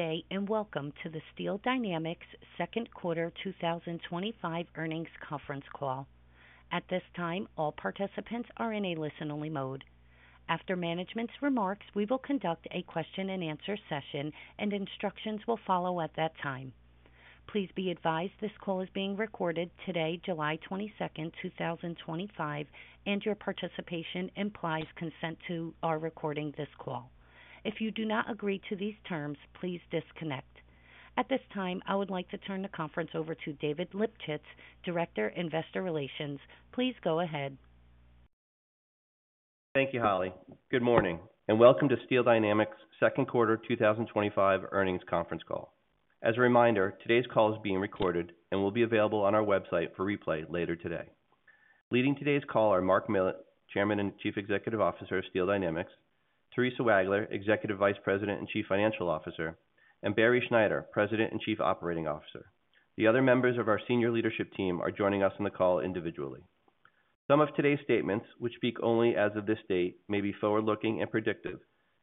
Good day and welcome to the Steel Dynamics Second Quarter 2025 Earnings Conference Call. At this time, all participants are in a listen-only mode. After management's remarks, we will conduct a question-and-answer session, and instructions will follow at that time. Please be advised this call is being recorded today, July 22, 2025, and your participation implies consent to our recording this call. If you do not agree to these terms, please disconnect. At this time, I would like to turn the conference over to David Lipschitz, Director, Investor Relations. Please go ahead. Thank you, Holly. Good morning and welcome to Steel Dynamics second quarter 2025 earnings conference call. As a reminder, today's call is being recorded and will be available on our website for replay later today. Leading today's call are Mark Millett, Chairman and Chief Executive Officer of Steel Dynamics, Theresa Wagler, Executive Vice President and Chief Financial Officer, and Barry Schneider, President and Chief Operating Officer. The other members of our senior leadership team are joining us in the call individually. Some of today's statements, which speak only as of this date, may be forward-looking and predictive,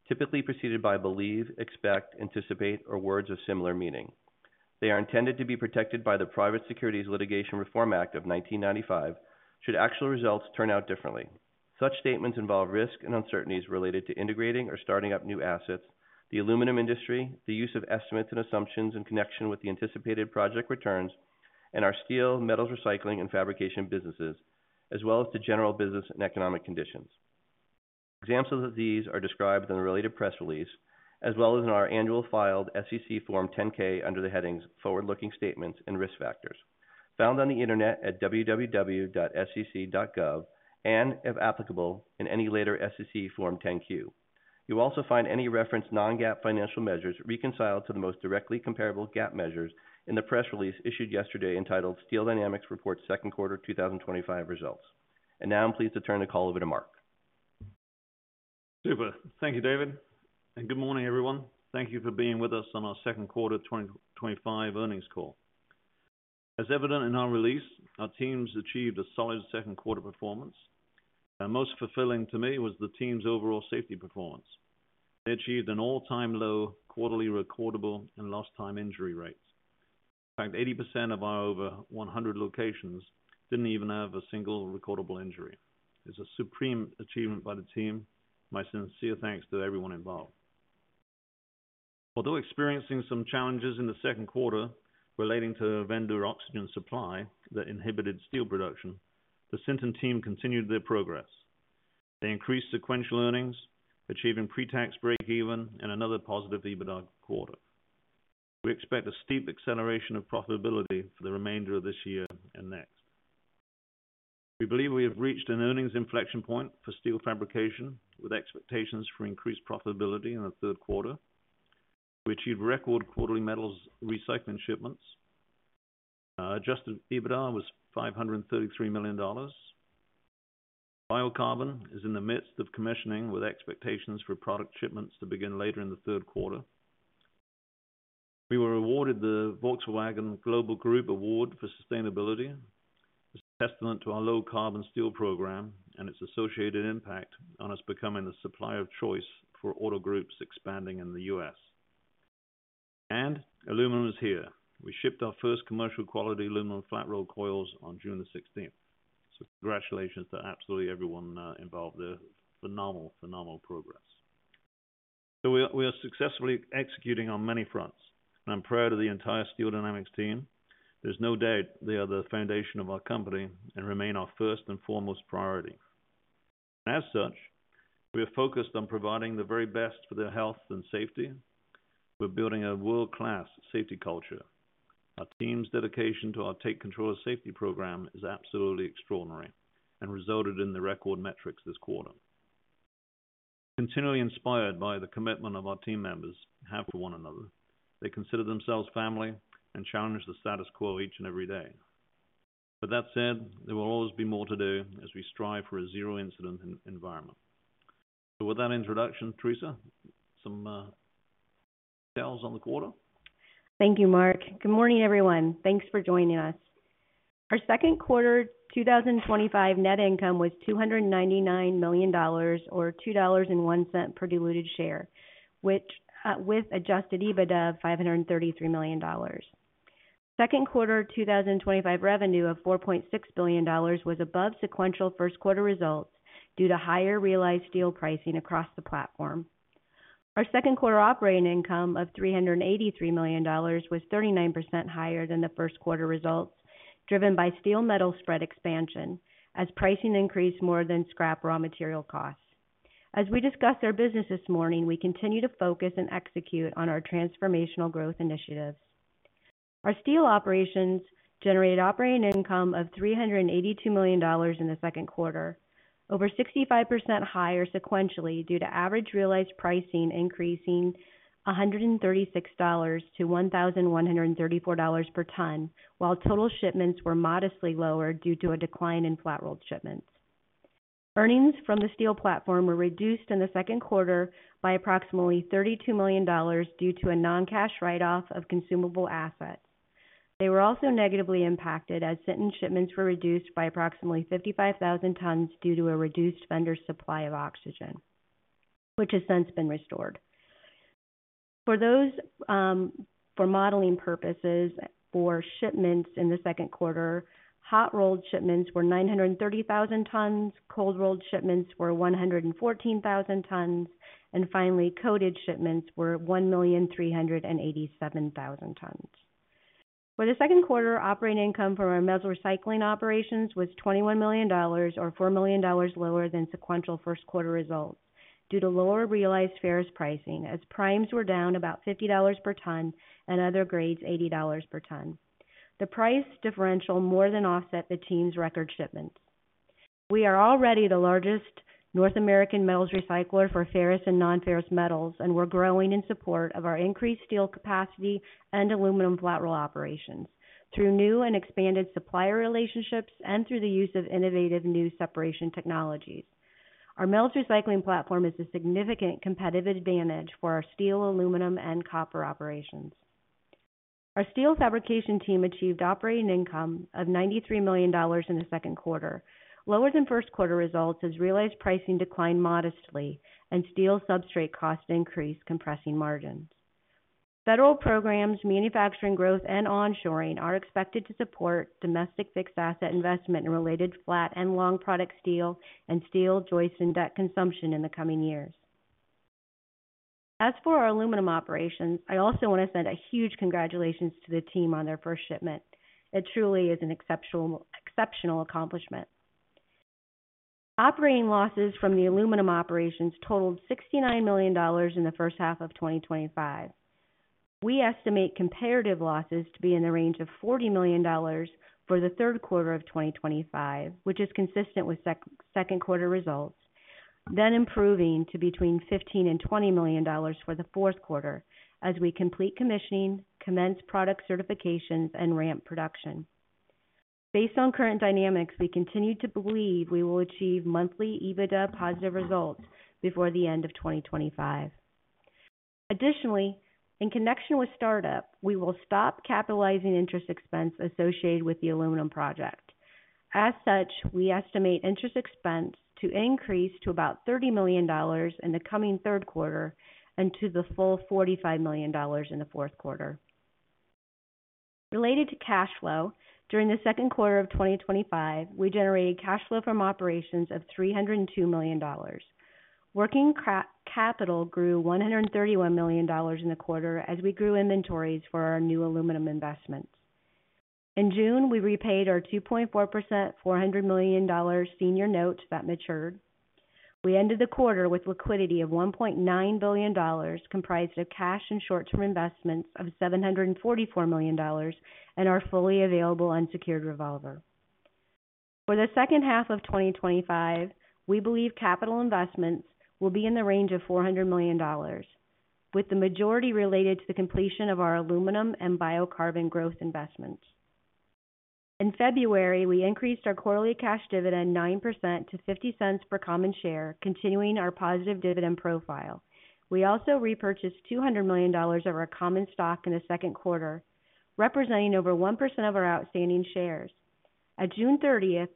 typically preceded by believe, expect, anticipate, or words of similar meaning. They are intended to be protected by the Private Securities Litigation Reform Act of 1995 should actual results turn out differently. Such statements involve risk and uncertainties related to integrating or starting up new assets, the aluminum industry, the use of estimates and assumptions in connection with the anticipated project returns, and our steel, metals recycling, and fabrication businesses, as well as to general business and economic conditions. Examples of these are described in the related press release, as well as in our annual filed U.S. Securities and Exchange Commission Form 10-K under the headings Forward-Looking Statements and Risk Factors, found on the internet at www.sec.gov and, if applicable, in any later U.S. Securities and Exchange Commission Form 10-Q. You will also find any referenced non-GAAP financial measures reconciled to the most directly comparable GAAP measures in the press release issued yesterday entitled Steel Dynamics Reports Second Quarter 2025 Results. Now I'm pleased to turn the call over to Mark. Super. Thank you, David. And good morning, everyone. Thank you for being with us on our second quarter 2025 earnings call. As evident in our release, our team's achieved a solid second quarter performance. Most fulfilling to me was the team's overall safety performance. They achieved an all-time low quarterly recordable and lost-time injury rate. In fact, 80% of our over 100 locations didn't even have a single recordable injury. It's a supreme achievement by the team. My sincere thanks to everyone involved. Although experiencing some challenges in the second quarter relating to vendor oxygen supply that inhibited steel production, the Sinton team continued their progress. They increased sequential earnings, achieving pre-tax break-even and another positive EBITDA quarter. We expect a steep acceleration of profitability for the remainder of this year and next. We believe we have reached an earnings inflection point for steel fabrication, with expectations for increased profitability in the third quarter. We achieved record quarterly metals recycling shipments. Adjusted EBITDA was $533 million. Biocarbon is in the midst of commissioning, with expectations for product shipments to begin later in the third quarter. We were awarded the Volkswagen Global Group Award for sustainability. It's a testament to our low-carbon steel program and its associated impact on us becoming the supplier of choice for auto groups expanding in the US. And aluminum is here. We shipped our first commercial quality aluminum flat roll coils on June the 16th. So congratulations to absolutely everyone involved. They're phenomenal, phenomenal progress. So we are successfully executing on many fronts, and I'm proud of the entire Steel Dynamics team. There's no doubt they are the foundation of our company and remain our first and foremost priority. And as such, we are focused on providing the very best for their health and safety. We're building a world-class safety culture. Our team's dedication to our Take Control of Safety program is absolutely extraordinary and resulted in the record metrics this quarter. We're continually inspired by the commitment of our team members to have to one another. They consider themselves family and challenge the status quo each and every day. But that said, there will always be more to do as we strive for a zero-incident environment. So with that introduction, Theresa, some. Details on the quarter? Thank you, Mark. Good morning, everyone. Thanks for joining us. Our second quarter 2025 net income was $299 million, or $2.01 per diluted share, with adjusted EBITDA of $533 million. Second quarter 2025 revenue of $4.6 billion was above sequential first quarter results due to higher realized steel pricing across the platform. Our second quarter operating income of $383 million was 39% higher than the first quarter results, driven by steel metal spread expansion as pricing increased more than scrap raw material costs. As we discussed our business this morning, we continue to focus and execute on our transformational growth initiatives. Our steel operations generated operating income of $382 million in the second quarter, over 65% higher sequentially due to average realized pricing increasing $136 to $1,134 per ton, while total shipments were modestly lower due to a decline in flat rolled shipments. Earnings from the steel platform were reduced in the second quarter by approximately $32 million due to a non-cash write-off of consumable assets. They were also negatively impacted as Sinton shipments were reduced by approximately 55,000 tons due to a reduced vendor supply of oxygen, which has since been restored. For modeling purposes, for shipments in the second quarter, hot rolled shipments were 930,000 tons, cold rolled shipments were 114,000 tons, and finally, coated shipments were 1,387,000 tons. For the second quarter, operating income from our metal recycling operations was $21 million, or $4 million lower than sequential first quarter results due to lower realized ferrous pricing, as primes were down about $50 per ton and other grades $80 per ton. The price differential more than offset the team's record shipments. We are already the largest North American metals recycler for ferrous and non-ferrous metals, and we're growing in support of our increased steel capacity and aluminum flat roll operations through new and expanded supplier relationships and through the use of innovative new separation technologies. Our metals recycling platform is a significant competitive advantage for our steel, aluminum, and copper operations. Our steel fabrication team achieved operating income of $93 million in the second quarter, lower than first quarter results as realized pricing declined modestly and steel substrate cost increased compressing margins. Federal programs, manufacturing growth, and onshoring are expected to support domestic fixed asset investment and related flat and long product steel and steel joist and deck consumption in the coming years. As for our aluminum operations, I also want to send a huge congratulations to the team on their first shipment. It truly is an exceptional accomplishment. Operating losses from the aluminum operations totaled $69 million in the first half of 2025. We estimate comparative losses to be in the range of $40 million for the third quarter of 2025, which is consistent with second quarter results, then improving to between $15 and $20 million for the fourth quarter as we complete commissioning, commence product certifications, and ramp production. Based on current dynamics, we continue to believe we will achieve monthly EBITDA positive results before the end of 2025. Additionally, in connection with startup, we will stop capitalizing interest expense associated with the aluminum project. As such, we estimate interest expense to increase to about $30 million in the coming third quarter and to the full $45 million in the fourth quarter. Related to cash flow, during the second quarter of 2025, we generated cash flow from operations of $302 million. Working capital grew $131 million in the quarter as we grew inventories for our new aluminum investments. In June, we repaid our 2.4% $400 million senior note that matured. We ended the quarter with liquidity of $1.9 billion, comprised of cash and short-term investments of $744 million, and our fully available unsecured revolver. For the second half of 2025, we believe capital investments will be in the range of $400 million, with the majority related to the completion of our aluminum and biocarbon growth investments. In February, we increased our quarterly cash dividend 9% to $0.50 per common share, continuing our positive dividend profile. We also repurchased $200 million of our common stock in the second quarter, representing over 1% of our outstanding shares. At June 30th,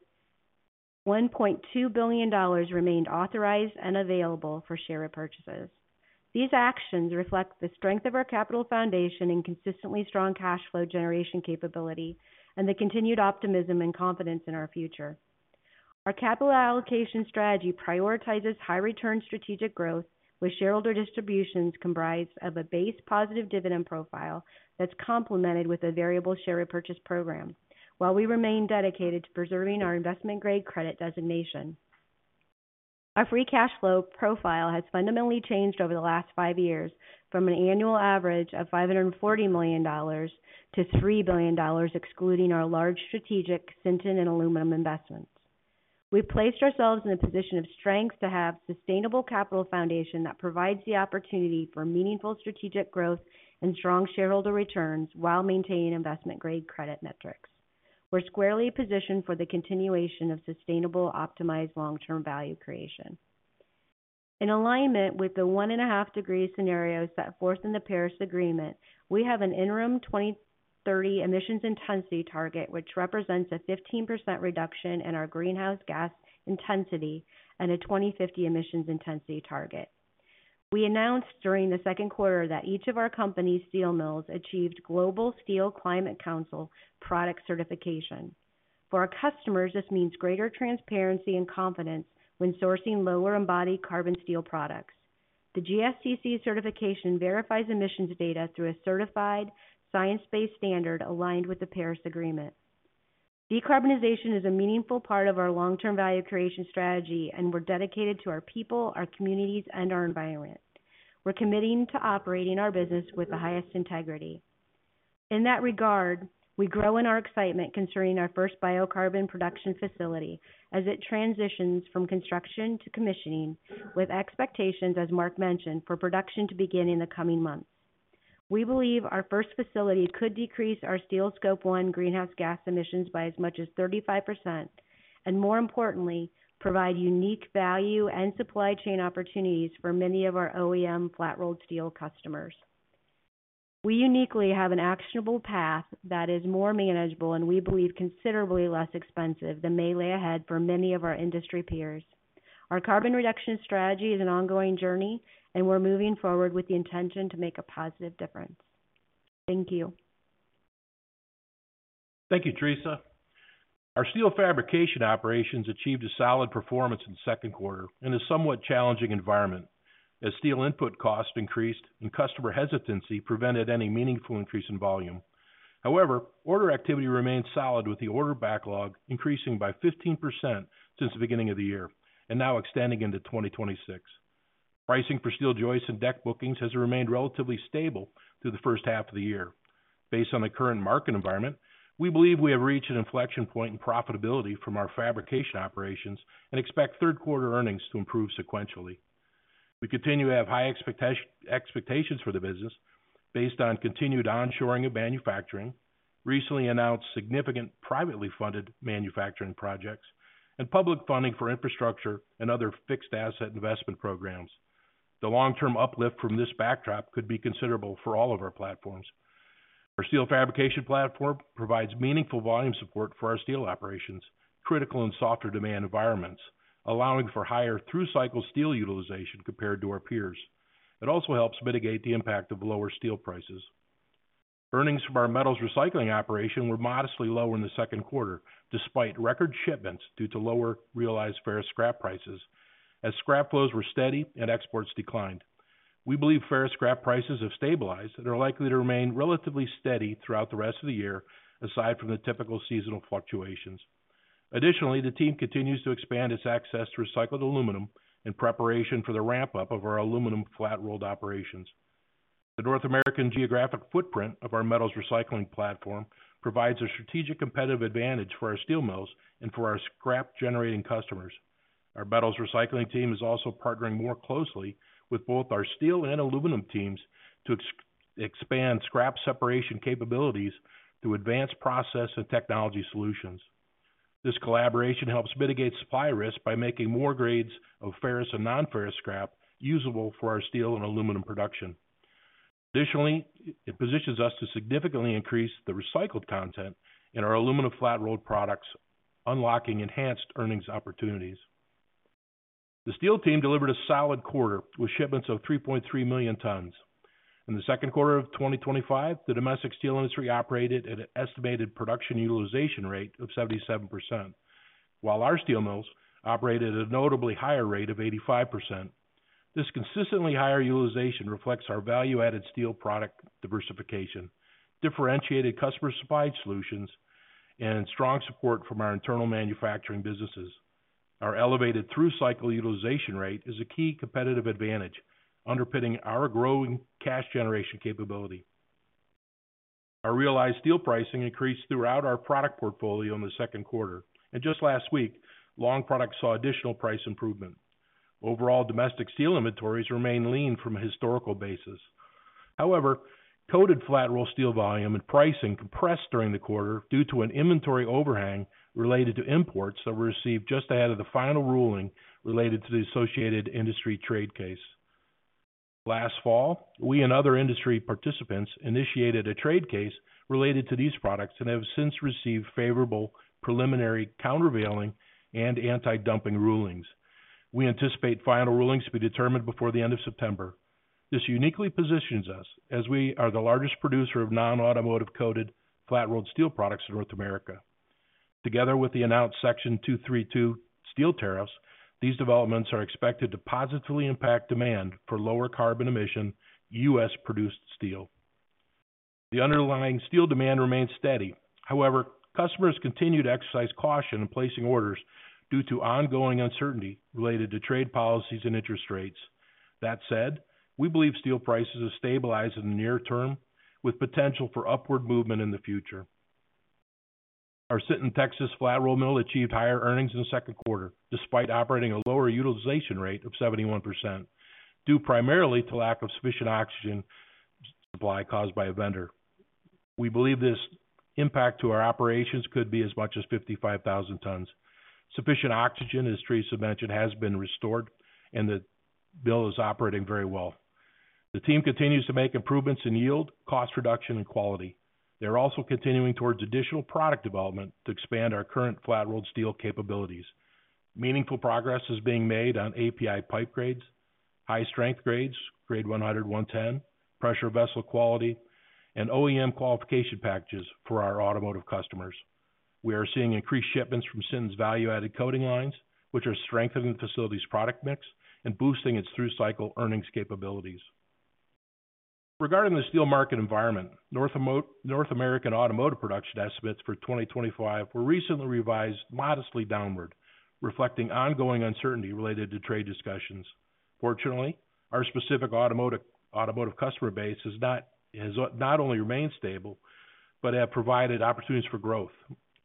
$1.2 billion remained authorized and available for share repurchases. These actions reflect the strength of our capital foundation and consistently strong cash flow generation capability and the continued optimism and confidence in our future. Our capital allocation strategy prioritizes high-return strategic growth with shareholder distributions comprised of a base positive dividend profile that's complemented with a variable share repurchase program, while we remain dedicated to preserving our investment-grade credit designation. Our free cash flow profile has fundamentally changed over the last five years from an annual average of $540 million to $3 billion, excluding our large strategic Sinton and aluminum investments. We've placed ourselves in a position of strength to have a sustainable capital foundation that provides the opportunity for meaningful strategic growth and strong shareholder returns while maintaining investment-grade credit metrics. We're squarely positioned for the continuation of sustainable, optimized long-term value creation. In alignment with the one and a half degree scenarios set forth in the Paris Agreement, we have an interim 2030 emissions intensity target, which represents a 15% reduction in our greenhouse gas intensity and a 2050 emissions intensity target. We announced during the second quarter that each of our company's steel mills achieved Global Steel Climate Council product certification. For our customers, this means greater transparency and confidence when sourcing lower embodied carbon steel products. The GSCC certification verifies emissions data through a certified science-based standard aligned with the Paris Agreement. Decarbonization is a meaningful part of our long-term value creation strategy, and we're dedicated to our people, our communities, and our environment. We're committing to operating our business with the highest integrity. In that regard, we grow in our excitement concerning our first biocarbon production facility as it transitions from construction to commissioning, with expectations, as Mark mentioned, for production to begin in the coming months. We believe our first facility could decrease our Steel Scope 1 greenhouse gas emissions by as much as 35% and, more importantly, provide unique value and supply chain opportunities for many of our OEM flat rolled steel customers. We uniquely have an actionable path that is more manageable and we believe considerably less expensive than may lay ahead for many of our industry peers. Our carbon reduction strategy is an ongoing journey, and we're moving forward with the intention to make a positive difference. Thank you. Thank you, Theresa. Our steel fabrication operations achieved a solid performance in the second quarter in a somewhat challenging environment as steel input costs increased and customer hesitancy prevented any meaningful increase in volume. However, order activity remained solid, with the order backlog increasing by 15% since the beginning of the year and now extending into 2026. Pricing for steel joists and deck bookings has remained relatively stable through the first half of the year. Based on the current market environment, we believe we have reached an inflection point in profitability from our fabrication operations and expect third quarter earnings to improve sequentially. We continue to have high expectations for the business based on continued onshoring of manufacturing, recently announced significant privately funded manufacturing projects, and public funding for infrastructure and other fixed asset investment programs. The long-term uplift from this backdrop could be considerable for all of our platforms. Our steel fabrication platform provides meaningful volume support for our steel operations, critical in softer demand environments, allowing for higher through cycle steel utilization compared to our peers. It also helps mitigate the impact of lower steel prices. Earnings from our metals recycling operation were modestly lower in the second quarter, despite record shipments due to lower realized ferrous scrap prices, as scrap flows were steady and exports declined. We believe ferrous scrap prices have stabilized and are likely to remain relatively steady throughout the rest of the year, aside from the typical seasonal fluctuations. Additionally, the team continues to expand its access to recycled aluminum in preparation for the ramp-up of our aluminum flat rolled operations. The North American geographic footprint of our metals recycling platform provides a strategic competitive advantage for our steel mills and for our scrap-generating customers. Our metals recycling team is also partnering more closely with both our steel and aluminum teams to expand scrap separation capabilities through advanced process and technology solutions. This collaboration helps mitigate supply risk by making more grades of ferrous and nonferrous scrap usable for our steel and aluminum production. Additionally, it positions us to significantly increase the recycled content in our aluminum flat rolled products, unlocking enhanced earnings opportunities. The steel team delivered a solid quarter with shipments of 3.3 million tons. In the second quarter of 2025, the domestic steel industry operated at an estimated production utilization rate of 77%, while our steel mills operated at a notably higher rate of 85%. This consistently higher utilization reflects our value-added steel product diversification, differentiated customer supply solutions, and strong support from our internal manufacturing businesses. Our elevated through cycle utilization rate is a key competitive advantage, underpinning our growing cash generation capability. Our realized steel pricing increased throughout our product portfolio in the second quarter. Just last week, long product saw additional price improvement. Overall, domestic steel inventories remain lean from a historical basis. However, coated flat roll steel volume and pricing compressed during the quarter due to an inventory overhang related to imports that were received just ahead of the final ruling related to the associated industry trade case. Last fall, we and other industry participants initiated a trade case related to these products and have since received favorable preliminary countervailing and anti-dumping rulings. We anticipate final rulings to be determined before the end of September. This uniquely positions us as we are the largest producer of non-automotive coated flat rolled steel products in North America. Together with the announced Section 232 steel tariffs, these developments are expected to positively impact demand for lower carbon emission U.S. produced steel. The underlying steel demand remains steady. However, customers continue to exercise caution in placing orders due to ongoing uncertainty related to trade policies and interest rates. That said, we believe steel prices have stabilized in the near term, with potential for upward movement in the future. Our Sinton, Texas, flat roll mill achieved higher earnings in the second quarter, despite operating a lower utilization rate of 71%, due primarily to lack of sufficient oxygen supply caused by a vendor. We believe this impact to our operations could be as much as 55,000 tons. Sufficient oxygen, as Theresa mentioned, has been restored, and the mill is operating very well. The team continues to make improvements in yield, cost reduction, and quality. They're also continuing towards additional product development to expand our current flat rolled steel capabilities. Meaningful progress is being made on API pipe grades, high-strength grades, grade 100, 110, pressure vessel quality, and OEM qualification packages for our automotive customers. We are seeing increased shipments from Sinton's value-added coating lines, which are strengthening the facility's product mix and boosting its through cycle earnings capabilities. Regarding the steel market environment, North American automotive production estimates for 2025 were recently revised modestly downward, reflecting ongoing uncertainty related to trade discussions. Fortunately, our specific automotive customer base has not only remained stable, but have provided opportunities for growth.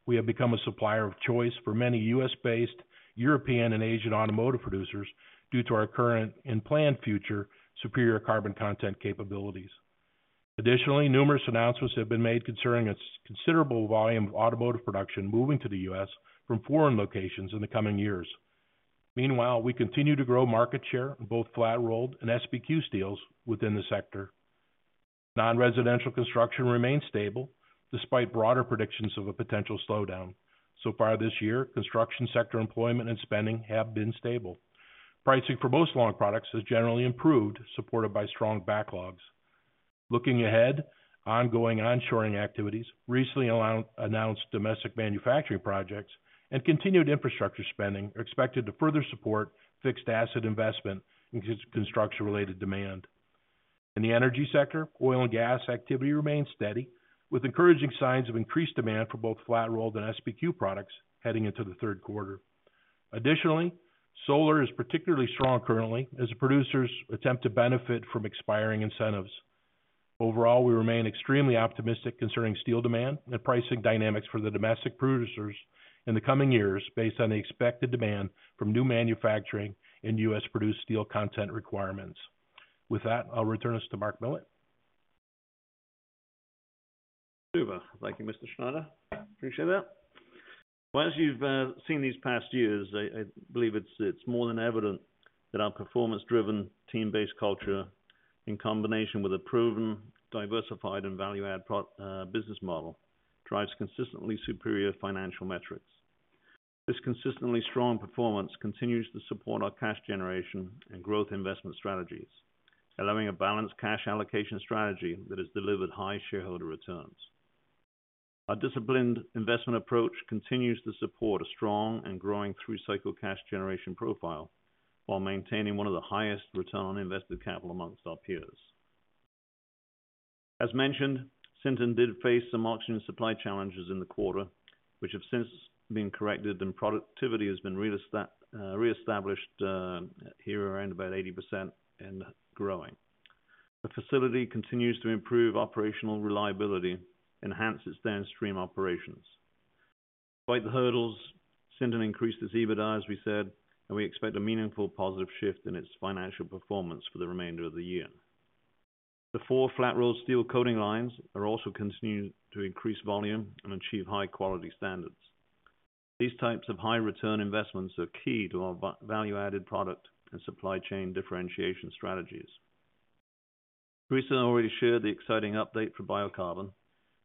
We have become a supplier of choice for many U.S.-based, European, and Asian automotive producers due to our current and planned future superior carbon content capabilities. Additionally, numerous announcements have been made concerning a considerable volume of automotive production moving to the U.S. from foreign locations in the coming years. Meanwhile, we continue to grow market share in both flat rolled and SBQ steels within the sector. Non-residential construction remains stable despite broader predictions of a potential slowdown. So far this year, construction sector employment and spending have been stable. Pricing for most long products has generally improved, supported by strong backlogs. Looking ahead, ongoing onshoring activities, recently announced domestic manufacturing projects, and continued infrastructure spending are expected to further support fixed asset investment in construction-related demand. In the energy sector, oil and gas activity remains steady, with encouraging signs of increased demand for both flat rolled and SBQ products heading into the third quarter. Additionally, solar is particularly strong currently as the producers attempt to benefit from expiring incentives. Overall, we remain extremely optimistic concerning steel demand and pricing dynamics for the domestic producers in the coming years based on the expected demand from new manufacturing and U.S.-produced steel content requirements. With that, I'll return us to Mark Millett. Super. Thank you, Mr. Schneider. Appreciate that. As you've seen these past years, I believe it's more than evident that our performance-driven, team-based culture, in combination with a proven, diversified, and value-added business model, drives consistently superior financial metrics. This consistently strong performance continues to support our cash generation and growth investment strategies, allowing a balanced cash allocation strategy that has delivered high shareholder returns. Our disciplined investment approach continues to support a strong and growing through cycle cash generation profile while maintaining one of the highest return on invested capital amongst our peers. As mentioned, Sinton did face some oxygen supply challenges in the quarter, which have since been corrected, and productivity has been reestablished. Here around about 80% and growing. The facility continues to improve operational reliability and enhance its downstream operations. Despite the hurdles, Sinton increased its EBITDA, as we said, and we expect a meaningful positive shift in its financial performance for the remainder of the year. The four flat rolled steel coating lines are also continuing to increase volume and achieve high-quality standards. These types of high-return investments are key to our value-added product and supply chain differentiation strategies. Theresa already shared the exciting update for biocarbon.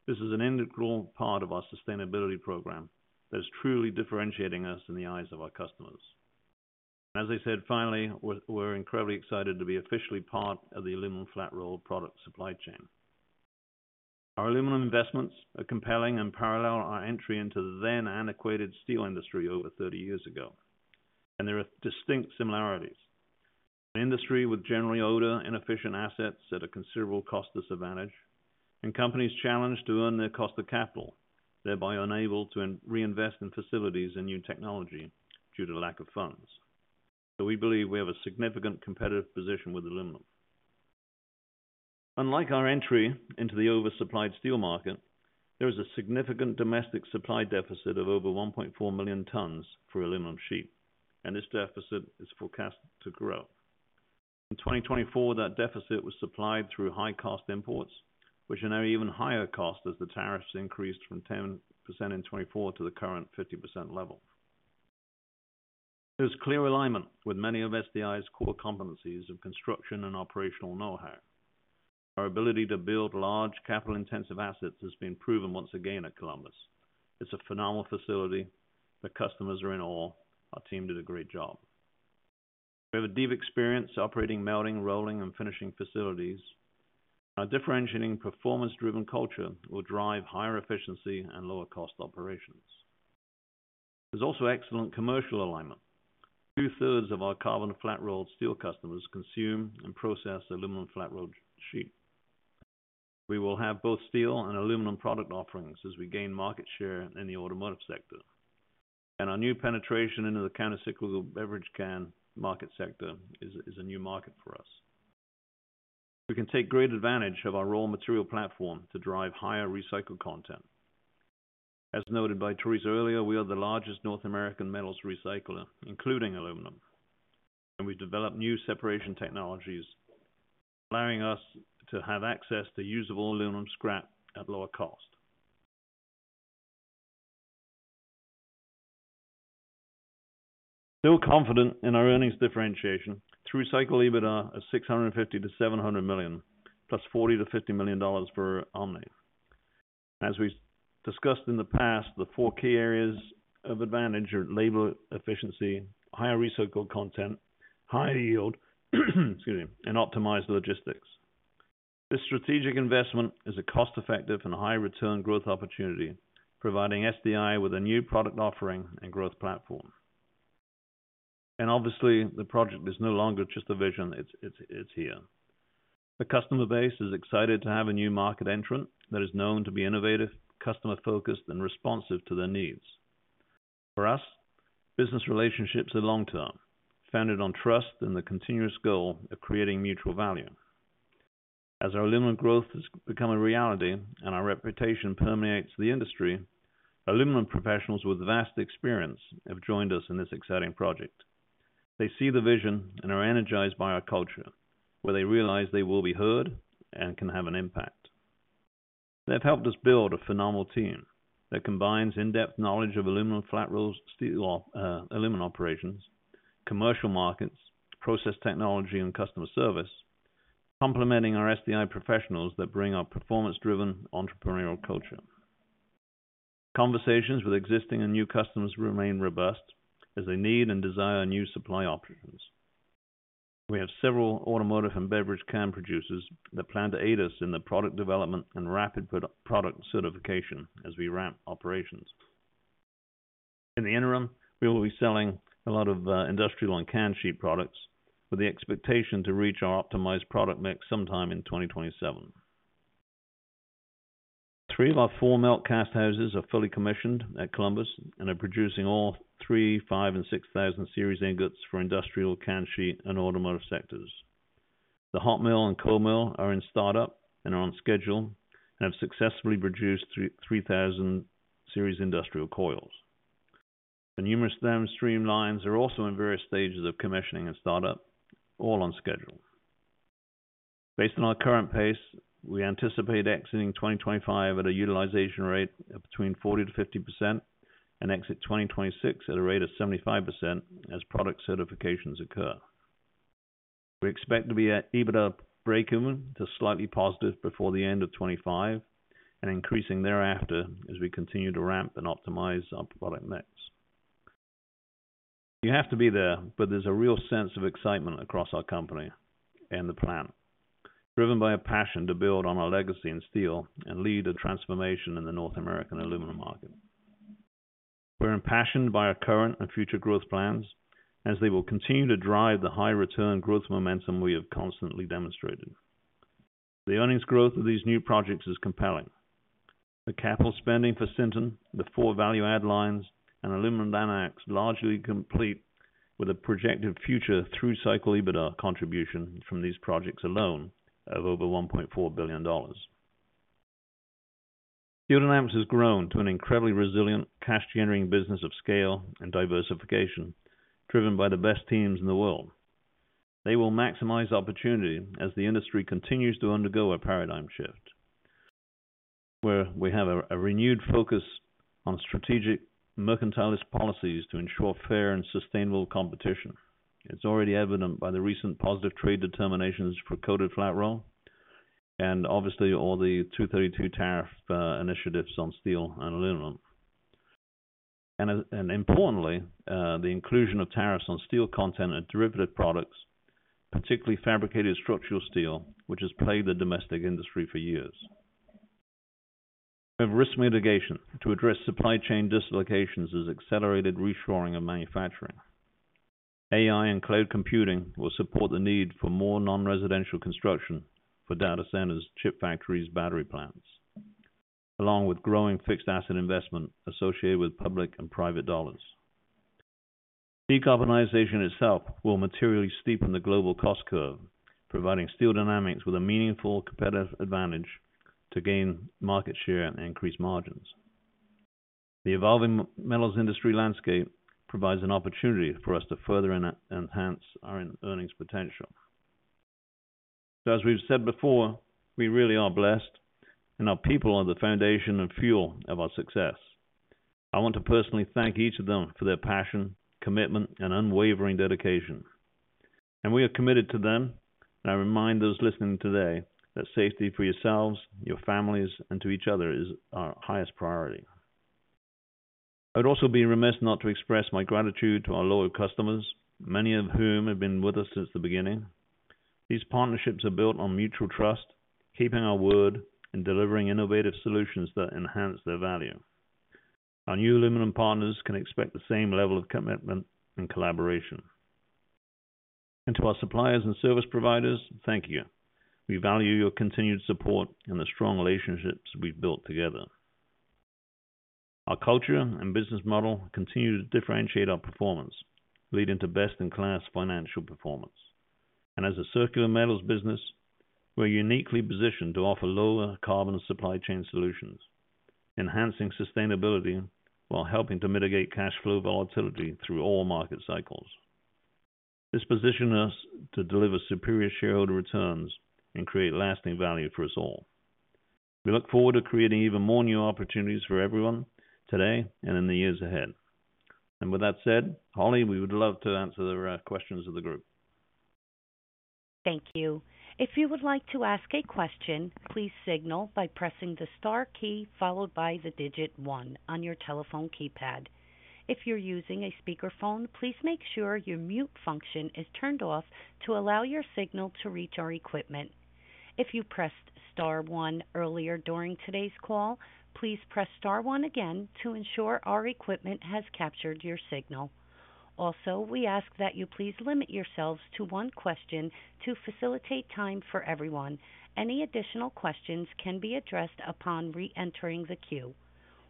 This is an integral part of our sustainability program that is truly differentiating us in the eyes of our customers. As I said, finally, we're incredibly excited to be officially part of the aluminum flat rolled product supply chain. Our aluminum investments are compelling and parallel our entry into the then-antiquated steel industry over 30 years ago. There are distinct similarities. An industry with generally older inefficient assets at a considerable cost disadvantage, and companies challenged to earn their cost of capital, thereby unable to reinvest in facilities and new technology due to lack of funds. We believe we have a significant competitive position with aluminum. Unlike our entry into the oversupplied steel market, there is a significant domestic supply deficit of over 1.4 million tons for aluminum sheet, and this deficit is forecast to grow. In 2024, that deficit was supplied through high-cost imports, which are now even higher cost as the tariffs increased from 10% in 2024 to the current 50% level. There is clear alignment with many of SDI's core competencies of construction and operational know-how. Our ability to build large, capital-intensive assets has been proven once again at Columbus. It's a phenomenal facility. The customers are in awe. Our team did a great job. We have a deep experience operating melting, rolling, and finishing facilities. Our differentiating performance-driven culture will drive higher efficiency and lower-cost operations. There is also excellent commercial alignment. Two-thirds of our carbon flat rolled steel customers consume and process aluminum flat rolled sheet. We will have both steel and aluminum product offerings as we gain market share in the automotive sector. Our new penetration into the countercyclical beverage can market sector is a new market for us. We can take great advantage of our raw material platform to drive higher recycled content. As noted by Theresa earlier, we are the largest North American metals recycler, including aluminum. We have developed new separation technologies, allowing us to have access to usable aluminum scrap at lower cost. Still confident in our earnings differentiation, through cycle EBITDA is $650 million-$700 million, plus $40 million-$50 million per omnet. As we discussed in the past, the four key areas of advantage are labor efficiency, higher recycled content, higher yield, and optimized logistics. This strategic investment is a cost-effective and high-return growth opportunity, providing SDI with a new product offering and growth platform. The project is no longer just a vision. It is here. The customer base is excited to have a new market entrant that is known to be innovative, customer-focused, and responsive to their needs. For us, business relationships are long-term, founded on trust and the continuous goal of creating mutual value. As our aluminum growth has become a reality and our reputation permeates the industry, aluminum professionals with vast experience have joined us in this exciting project. They see the vision and are energized by our culture, where they realize they will be heard and can have an impact. They have helped us build a phenomenal team that combines in-depth knowledge of aluminum flat rolled steel operations, commercial markets, process technology, and customer service, complementing our SDI professionals that bring our performance-driven entrepreneurial culture. Our conversations with existing and new customers remain robust as they need and desire new supply options. We have several automotive and beverage can producers that plan to aid us in the product development and rapid product certification as we ramp operations. In the interim, we will be selling a lot of industrial and can sheet products with the expectation to reach our optimized product mix sometime in 2027. Three of our four melt cast houses are fully commissioned at Columbus and are producing all three, five, and six thousand series ingots for industrial can sheet and automotive sectors. The hot mill and cold mill are in startup and are on schedule and have successfully produced 3,000 series industrial coils. The numerous downstream lines are also in various stages of commissioning and startup, all on schedule. Based on our current pace, we anticipate exiting 2025 at a utilization rate of between 40-50% and exit 2026 at a rate of 75% as product certifications occur. We expect to be at EBITDA break-even to slightly positive before the end of 2025 and increasing thereafter as we continue to ramp and optimize our product mix. You have to be there, but there is a real sense of excitement across our company and the plan, driven by a passion to build on our legacy in steel and lead a transformation in the North American aluminum market. We're impassioned by our current and future growth plans as they will continue to drive the high-return growth momentum we have constantly demonstrated. The earnings growth of these new projects is compelling. The capital spending for Sinton, the four value-add lines, and Aluminum Dynamics largely complete with a projected future through cycle EBITDA contribution from these projects alone of over $1.4 billion. Steel Dynamics has grown to an incredibly resilient cash-generating business of scale and diversification, driven by the best teams in the world. They will maximize opportunity as the industry continues to undergo a paradigm shift. We have a renewed focus on strategic mercantilist policies to ensure fair and sustainable competition. It is already evident by the recent positive trade determinations for coated flat rolled and obviously all the 232 tariff initiatives on steel and aluminum. Importantly, the inclusion of tariffs on steel content and derivative products, particularly fabricated structural steel, which has plagued the domestic industry for years. We have risk mitigation to address supply chain dislocations as accelerated reshoring and manufacturing. AI and cloud computing will support the need for more non-residential construction for data centers, chip factories, battery plants. Along with growing fixed asset investment associated with public and private dollars. Decarbonization itself will materially steepen the global cost curve, providing Steel Dynamics with a meaningful competitive advantage to gain market share and increase margins. The evolving metals industry landscape provides an opportunity for us to further enhance our earnings potential. As we've said before, we really are blessed, and our people are the foundation and fuel of our success. I want to personally thank each of them for their passion, commitment, and unwavering dedication. We are committed to them, and I remind those listening today that safety for yourselves, your families, and to each other is our highest priority. I would also be remiss not to express my gratitude to our loyal customers, many of whom have been with us since the beginning. These partnerships are built on mutual trust, keeping our word, and delivering innovative solutions that enhance their value. Our new aluminum partners can expect the same level of commitment and collaboration. To our suppliers and service providers, thank you. We value your continued support and the strong relationships we've built together. Our culture and business model continue to differentiate our performance, leading to best-in-class financial performance. As a circular metals business, we're uniquely positioned to offer lower carbon supply chain solutions, enhancing sustainability while helping to mitigate cash flow volatility through all market cycles. This positions us to deliver superior shareholder returns and create lasting value for us all. We look forward to creating even more new opportunities for everyone today and in the years ahead. With that said, Holly, we would love to answer the questions of the group. Thank you. If you would like to ask a question, please signal by pressing the star key followed by the digit one on your telephone keypad. If you're using a speakerphone, please make sure your mute function is turned off to allow your signal to reach our equipment. If you pressed star one earlier during today's call, please press star one again to ensure our equipment has captured your signal. Also, we ask that you please limit yourselves to one question to facilitate time for everyone. Any additional questions can be addressed upon re-entering the queue.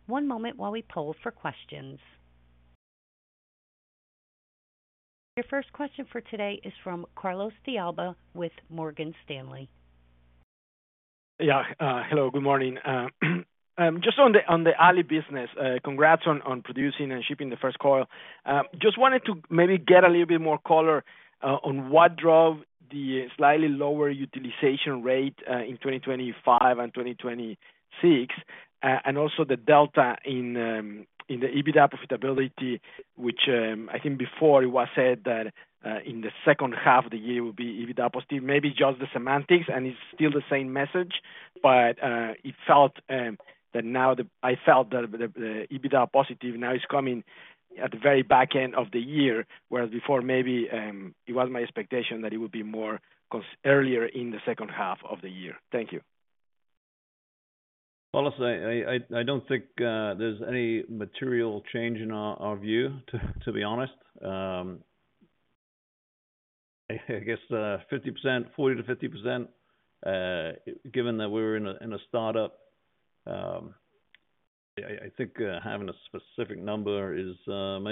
One moment while we poll for questions. Your first question for today is from Carlos de Alba with Morgan Stanley. Yeah. Hello. Good morning. Just on the early business, congrats on producing and shipping the first coil. Just wanted to maybe get a little bit more color on what drove the slightly lower utilization rate in 2025 and 2026, and also the delta in the EBITDA profitability, which I think before it was said that in the second half of the year it would be EBITDA positive, maybe just the semantics, and it's still the same message, but it felt that now I felt that the EBITDA positive now is coming at the very back end of the year, whereas before maybe it was my expectation that it would be more earlier in the second half of the year. Thank you. Carlos, I do not think there is any material change in our view, to be honest. I guess 40-50%. Given that we are in a startup, I think having a specific number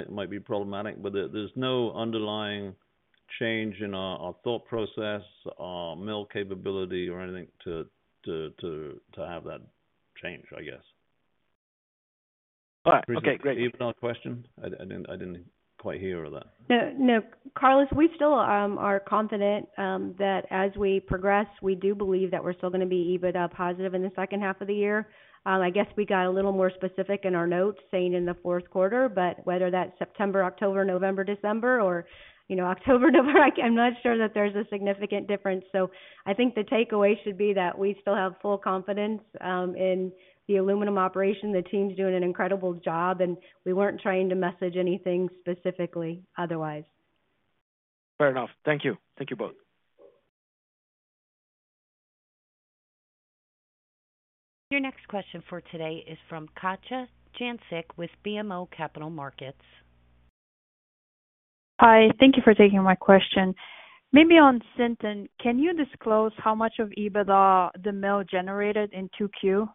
might be problematic, but there is no underlying change in our thought process, our mill capability, or anything to have that change, I guess. All right. Okay. Great. Even your question, I didn't quite hear that. No, no. Carlos, we still are confident that as we progress, we do believe that we're still going to be EBITDA positive in the second half of the year. I guess we got a little more specific in our notes saying in the fourth quarter, but whether that's September, October, November, December, or October, November, I'm not sure that there's a significant difference. I think the takeaway should be that we still have full confidence in the aluminum operation. The team's doing an incredible job, and we weren't trying to message anything specifically otherwise. Fair enough. Thank you. Thank you both. Your next question for today is from Katja Jancic with BMO Capital Markets. Hi. Thank you for taking my question. Maybe on Sinton, can you disclose how much of EBITDA the mill generated in 2Q?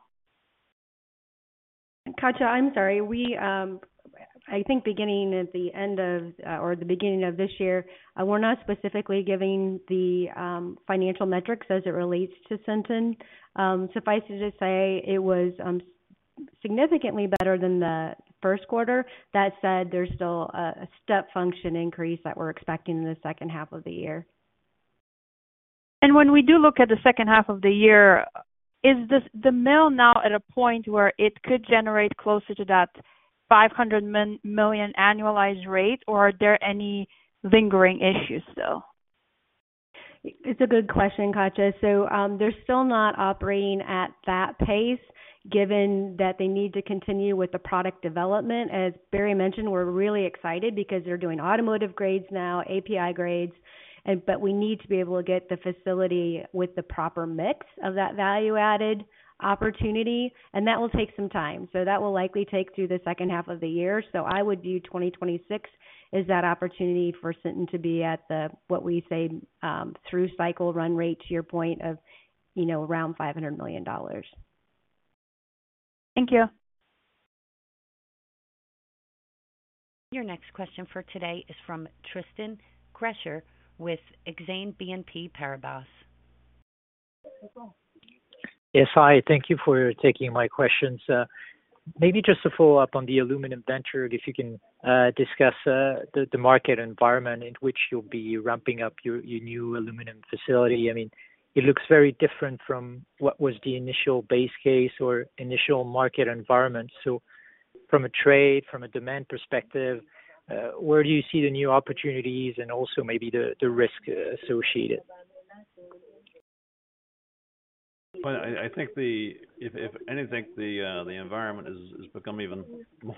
Katya, I'm sorry. We, I think beginning at the end of or the beginning of this year, we're not specifically giving the financial metrics as it relates to Sinton. Suffice it to say, it was significantly better than the first quarter. That said, there's still a step function increase that we're expecting in the second half of the year. When we do look at the second half of the year, is the mill now at a point where it could generate closer to that $500 million annualized rate, or are there any lingering issues still? It's a good question, Katja. They're still not operating at that pace, given that they need to continue with the product development. As Barry mentioned, we're really excited because they're doing automotive grades now, API grades, but we need to be able to get the facility with the proper mix of that value-added opportunity, and that will take some time. That will likely take through the second half of the year. I would view 2026 as that opportunity for Sinton to be at the, what we say, through cycle run rate to your point of around $500 million. Thank you. Your next question for today is from Tristan Gresser with Exane BNP Paribas. Yes, hi. Thank you for taking my questions. Maybe just to follow-up on the aluminum venture, if you can discuss the market environment in which you'll be ramping up your new aluminum facility. I mean, it looks very different from what was the initial base case or initial market environment. From a trade, from a demand perspective, where do you see the new opportunities and also maybe the risk associated? I think, if anything, the environment has become even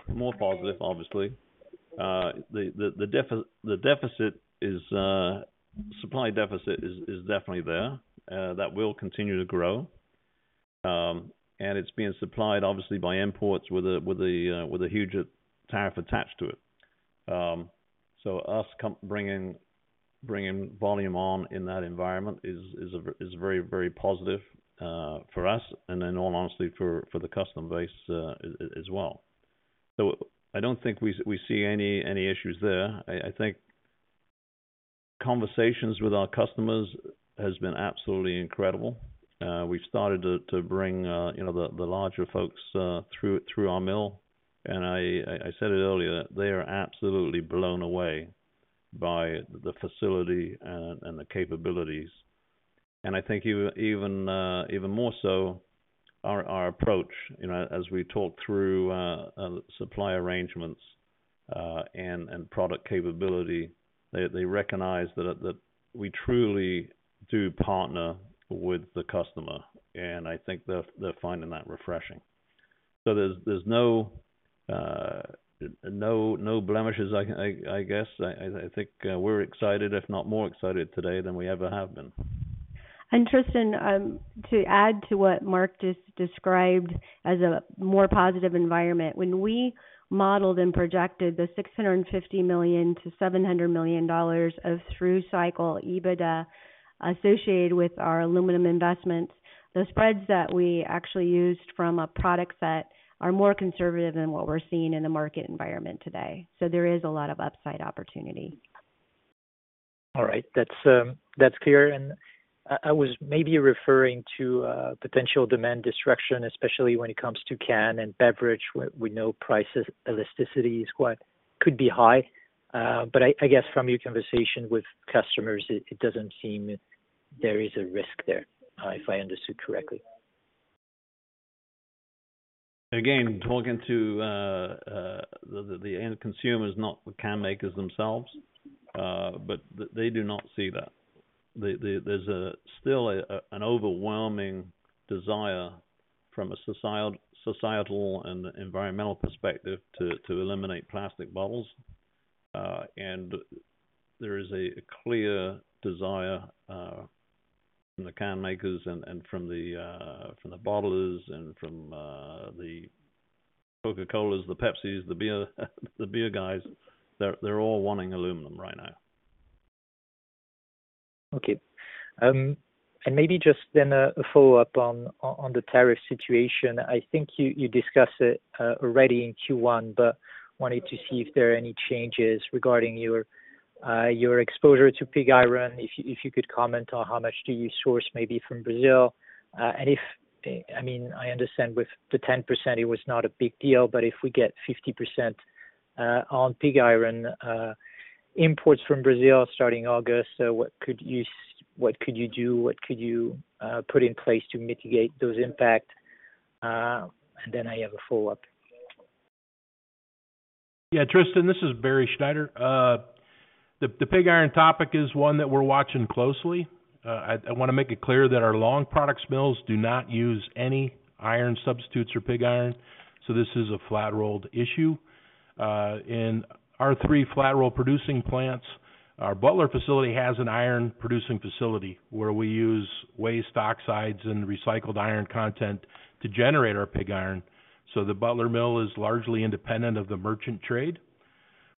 more positive, obviously. The deficit is. Supply deficit is definitely there. That will continue to grow. And it's being supplied, obviously, by imports with a huge tariff attached to it. Us bringing volume on in that environment is very, very positive for us and, in all honesty, for the customer base as well. I don't think we see any issues there. I think conversations with our customers have been absolutely incredible. We've started to bring the larger folks through our mill. I said it earlier, they are absolutely blown away by the facility and the capabilities. I think even more so, our approach. As we talk through supply arrangements and product capability, they recognize that we truly do partner with the customer. I think they're finding that refreshing. There's no blemishes, I guess. I think we're excited, if not more excited today than we ever have been. Tristan, to add to what Mark just described as a more positive environment, when we modeled and projected the $650 million-$700 million of through cycle EBITDA associated with our aluminum investments, the spreads that we actually used from a product set are more conservative than what we are seeing in the market environment today. There is a lot of upside opportunity. All right. That's clear. I was maybe referring to potential demand destruction, especially when it comes to can and beverage. We know price elasticity could be high. I guess from your conversation with customers, it does not seem there is a risk there, if I understood correctly. Again, talking to the end consumers, not the can makers themselves, but they do not see that. There is still an overwhelming desire from a societal and environmental perspective to eliminate plastic bottles. There is a clear desire from the can makers and from the bottlers and from the Coca-Colas, the Pepsis, the beer guys. They are all wanting aluminum right now. Okay. Maybe just then a follow-up on the tariff situation. I think you discussed it already in Q1, but wanted to see if there are any changes regarding your exposure to pig iron. If you could comment on how much do you source maybe from Brazil. I mean, I understand with the 10%, it was not a big deal, but if we get 50% on pig iron imports from Brazil starting August, what could you do? What could you put in place to mitigate those impacts? I have a follow-up. Yeah, Tristan, this is Barry Schneider. The pig iron topic is one that we're watching closely. I want to make it clear that our long products mills do not use any iron substitutes or pig iron. This is a flat rolled issue. In our three flat roll producing plants, our Butler facility has an iron producing facility where we use waste oxides and recycled iron content to generate our pig iron. The Butler mill is largely independent of the merchant trade,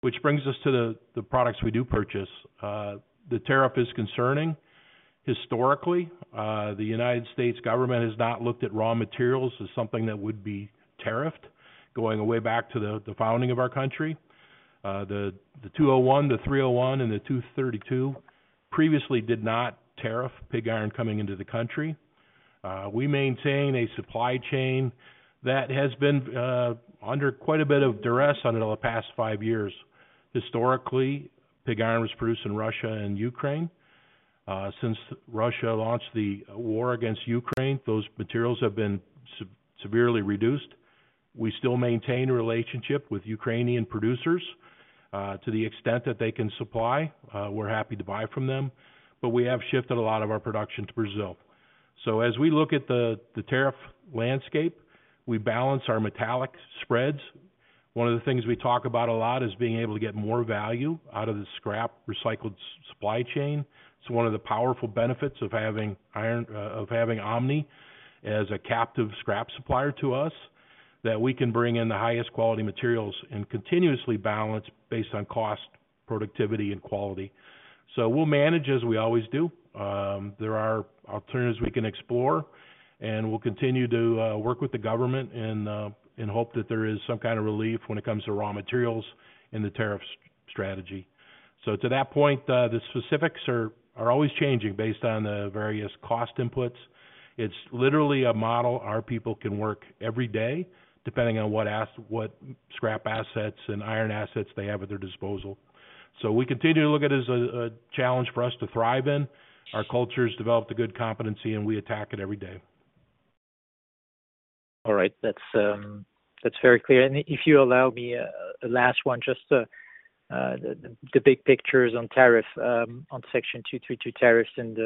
which brings us to the products we do purchase. The tariff is concerning. Historically, the U.S. government has not looked at raw materials as something that would be tariffed going way back to the founding of our country. The 201, the 301, and the 232 previously did not tariff pig iron coming into the country. We maintain a supply chain that has been under quite a bit of duress over the past five years. Historically, pig iron was produced in Russia and Ukraine. Since Russia launched the war against Ukraine, those materials have been severely reduced. We still maintain a relationship with Ukrainian producers to the extent that they can supply. We're happy to buy from them. We have shifted a lot of our production to Brazil. As we look at the tariff landscape, we balance our metallic spreads. One of the things we talk about a lot is being able to get more value out of the scrap recycled supply chain. It's one of the powerful benefits of having Omni as a captive scrap supplier to us, that we can bring in the highest quality materials and continuously balance based on cost, productivity, and quality. We'll manage as we always do. There are alternatives we can explore. We will continue to work with the government in hope that there is some kind of relief when it comes to raw materials in the tariff strategy. To that point, the specifics are always changing based on the various cost inputs. It's literally a model our people can work every day depending on what scrap assets and iron assets they have at their disposal. We continue to look at it as a challenge for us to thrive in. Our culture has developed a good competency, and we attack it every day. All right. That's very clear. If you allow me a last one, just the big pictures on tariffs, on Section 232 tariffs and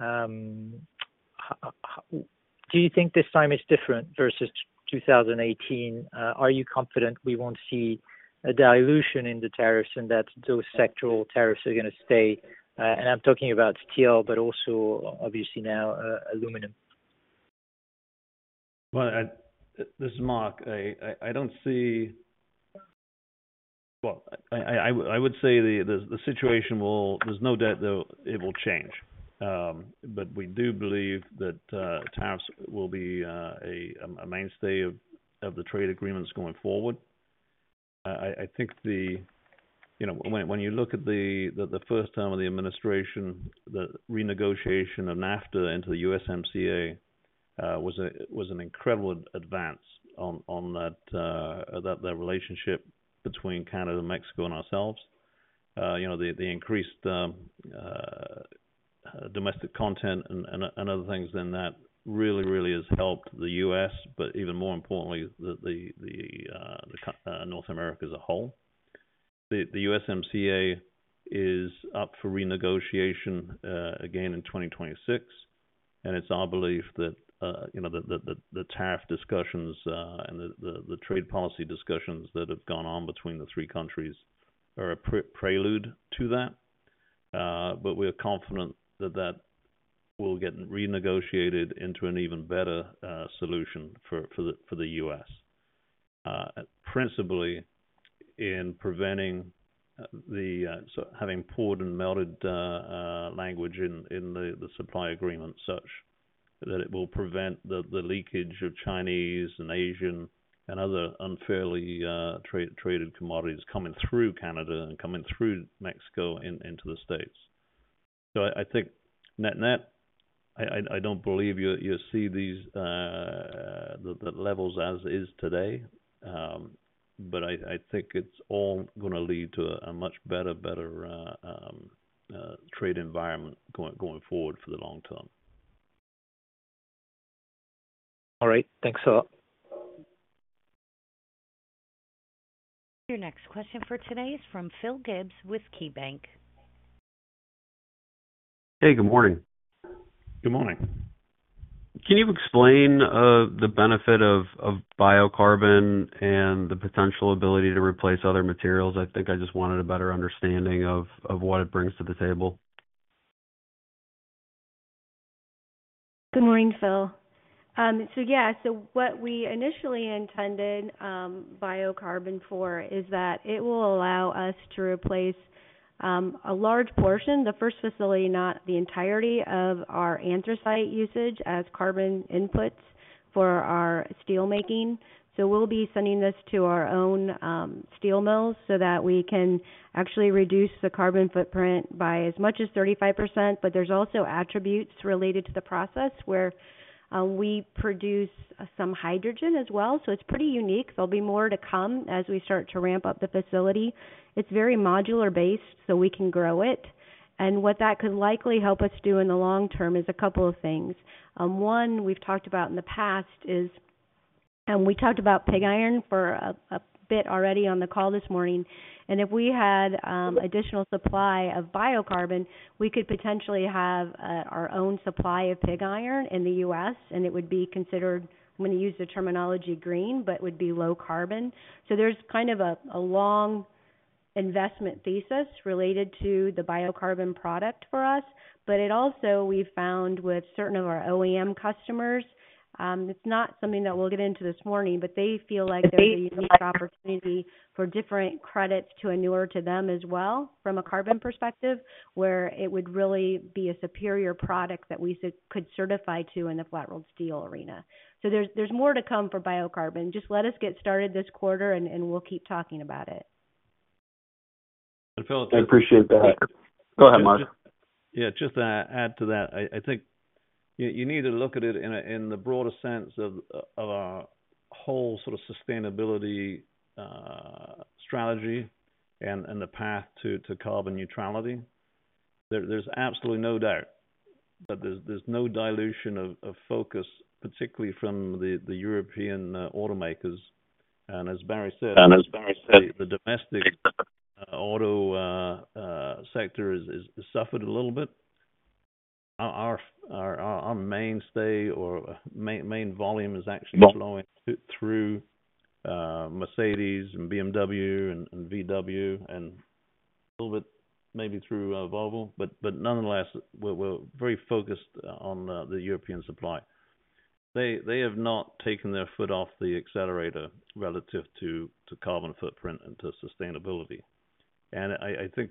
the—do you think this time is different versus 2018? Are you confident we won't see a dilution in the tariffs and that those sectoral tariffs are going to stay? I'm talking about steel, but also obviously now aluminum. This is Mark. I don't see. I would say the situation will, there's no doubt that it will change. We do believe that tariffs will be a mainstay of the trade agreements going forward. I think the. When you look at the first term of the administration, the renegotiation of NAFTA into the USMCA was an incredible advance on. The relationship between Canada and Mexico and ourselves. The increased. Domestic content and other things in that really, really has helped the U.S., but even more importantly, North America as a whole. The USMCA is up for renegotiation again in 2026. It's our belief that. The tariff discussions and the trade policy discussions that have gone on between the three countries are a prelude to that. We're confident that that. Will get renegotiated into an even better solution for the U.S. Principally. In preventing. The having poured and melted. Language in the supply agreement such that it will prevent the leakage of Chinese and Asian and other unfairly traded commodities coming through Canada and coming through Mexico into the States. I think net-net, I don't believe you'll see these. Levels as is today. I think it's all going to lead to a much better, better. Trade environment going forward for the long term. All right. Thanks a lot. Your next question for today is from Phil Gibbs with KeyBank. Hey, good morning. Good morning. Can you explain the benefit of biocarbon and the potential ability to replace other materials? I think I just wanted a better understanding of what it brings to the table. Good morning, Phil. What we initially intended biocarbon for is that it will allow us to replace a large portion, the first facility, not the entirety, of our anthracite usage as carbon inputs for our steel making. We will be sending this to our own steel mills so that we can actually reduce the carbon footprint by as much as 35%. There are also attributes related to the process where we produce some hydrogen as well. It is pretty unique. There will be more to come as we start to ramp up the facility. It is very modular-based, so we can grow it. What that could likely help us do in the long term is a couple of things. One we have talked about in the past is, and we talked about pig iron for a bit already on the call this morning, if we had additional supply of biocarbon, we could potentially have our own supply of pig iron in the U.S., and it would be considered, I am going to use the terminology green, but it would be low carbon. There is kind of a long investment thesis related to the biocarbon product for us. We have also found with certain of our OEM customers, it is not something that we will get into this morning, but they feel like there is a unique opportunity for different credits to anewer to them as well from a carbon perspective where it would really be a superior product that we could certify to in the flat rolled steel arena. There is more to come for biocarbon. Just let us get started this quarter, and we will keep talking about it. I appreciate that. Go ahead, Mark. Yeah, just to add to that, I think you need to look at it in the broader sense of our whole sort of sustainability strategy and the path to carbon neutrality. There's absolutely no doubt that there's no dilution of focus, particularly from the European automakers. As Barry said, the domestic auto sector has suffered a little bit. Our mainstay or main volume is actually flowing through Mercedes and BMW and VW and a little bit maybe through Volvo. Nonetheless, we're very focused on the European supply. They have not taken their foot off the accelerator relative to carbon footprint and to sustainability. I think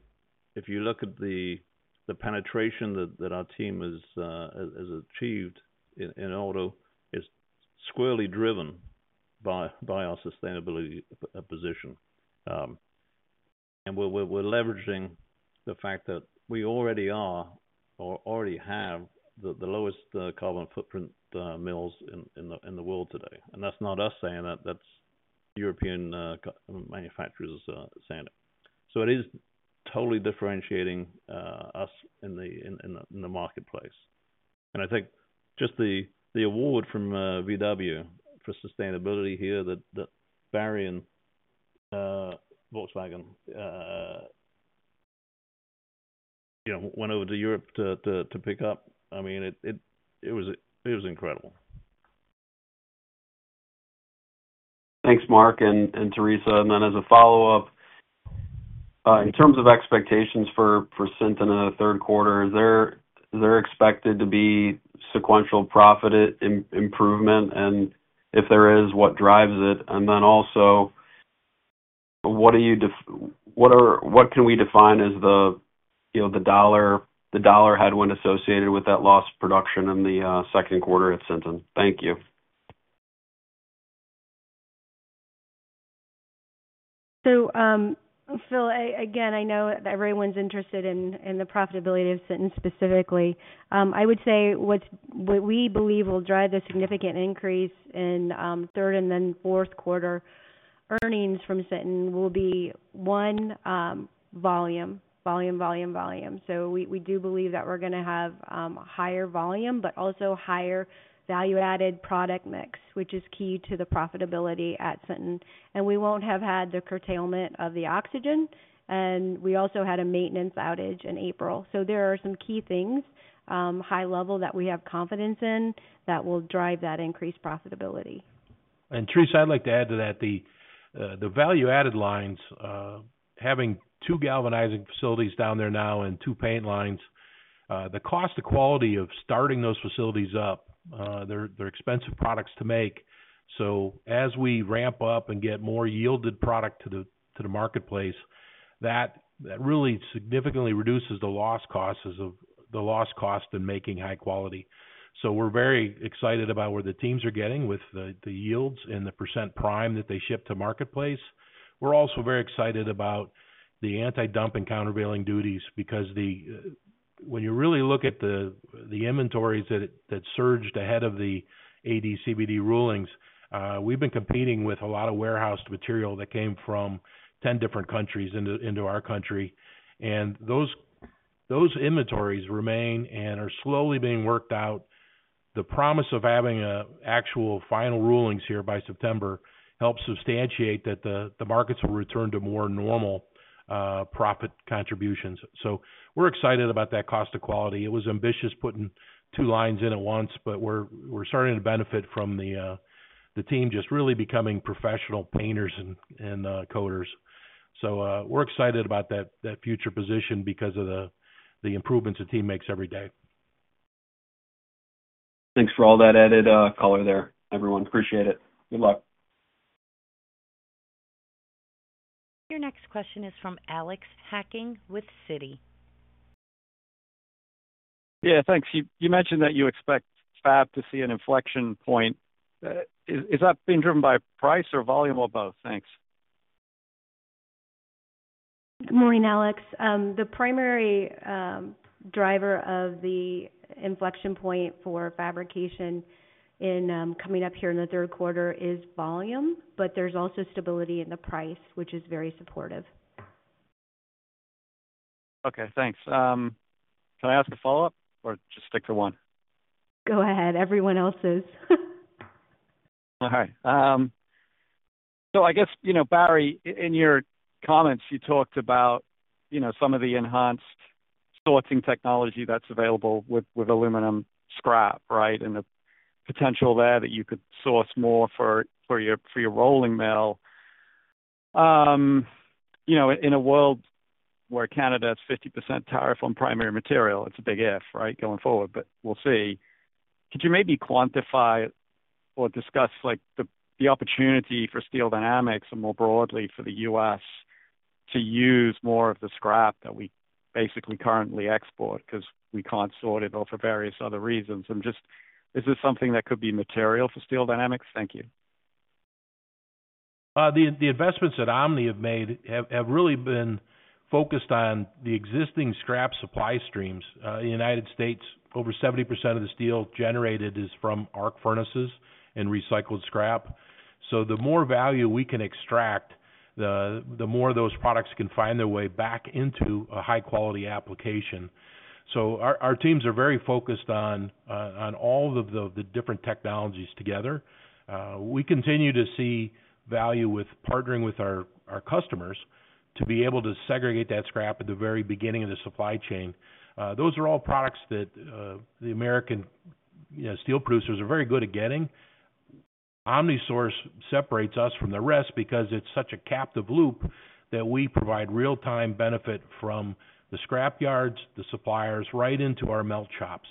if you look at the penetration that our team has achieved in auto, it's squarely driven by our sustainability position. We're leveraging the fact that we already are, or already have, the lowest carbon footprint mills in the world today. That's not us saying that, that's European manufacturers saying it. It is totally differentiating us in the marketplace. I think just the award from VW for sustainability here that Barry and Volkswagen went over to Europe to pick up, I mean, it was incredible. Thanks, Mark and Theresa. Then as a follow-up, in terms of expectations for Sinton in the third quarter, is there expected to be sequential profit improvement? If there is, what drives it? Also, what can we define as the dollar headwind associated with that loss of production in the second quarter at Sinton? Thank you. Phil, again, I know that everyone's interested in the profitability of Sinton specifically. I would say what we believe will drive the significant increase in third and then fourth quarter earnings from Sinton will be, one, volume, volume, volume, volume. We do believe that we're going to have higher volume, but also higher value-added product mix, which is key to the profitability at Sinton. We won't have had the curtailment of the oxygen. We also had a maintenance outage in April. There are some key things, high level, that we have confidence in that will drive that increased profitability. Theresa, I'd like to add to that the value-added lines, having two galvanizing facilities down there now and two paint lines, the cost, the quality of starting those facilities up. They're expensive products to make. As we ramp up and get more yielded product to the marketplace, that really significantly reduces the loss costs of the loss cost in making high quality. We're very excited about where the teams are getting with the yields and the % prime that they ship to marketplace. We're also very excited about the anti-dumping and countervailing duties because. When you really look at the inventories that surged ahead of the AD/CVD rulings, we've been competing with a lot of warehouse material that came from 10 different countries into our country. Those inventories remain and are slowly being worked out. The promise of having actual final rulings here by September helps substantiate that the markets will return to more normal profit contributions. We're excited about that cost of quality. It was ambitious putting two lines in at once, but we're starting to benefit from the team just really becoming professional painters and coders. We're excited about that future position because of the improvements the team makes every day. Thanks for all that added. Color there, everyone. Appreciate it. Good luck. Your next question is from Alex Hacking with Citi. Yeah, thanks. You mentioned that you expect fab to see an inflection point. Is that being driven by price or volume or both? Thanks. Good morning, Alex. The primary driver of the inflection point for fabrication in coming up here in the third quarter is volume, but there's also stability in the price, which is very supportive. Okay, thanks. Can I ask a follow-up or just stick to one? Go ahead. Everyone else's. All right. I guess, Barry, in your comments, you talked about some of the enhanced sourcing technology that's available with aluminum scrap, right? And the potential there that you could source more for your rolling mill. In a world where Canada has a 50% tariff on primary material, it's a big if, right, going forward, but we'll see. Could you maybe quantify or discuss the opportunity for Steel Dynamics and more broadly for the U.S. to use more of the scrap that we basically currently export because we can't sort it off for various other reasons? Is this something that could be material for Steel Dynamics? Thank you. The investments that OmniSource have made have really been focused on the existing scrap supply streams. In the United States, over 70% of the steel generated is from arc furnaces and recycled scrap. The more value we can extract, the more those products can find their way back into a high-quality application. Our teams are very focused on all of the different technologies together. We continue to see value with partnering with our customers to be able to segregate that scrap at the very beginning of the supply chain. Those are all products that the American steel producers are very good at getting. OmniSource separates us from the rest because it is such a captive loop that we provide real-time benefit from the scrap yards, the suppliers, right into our melt shops.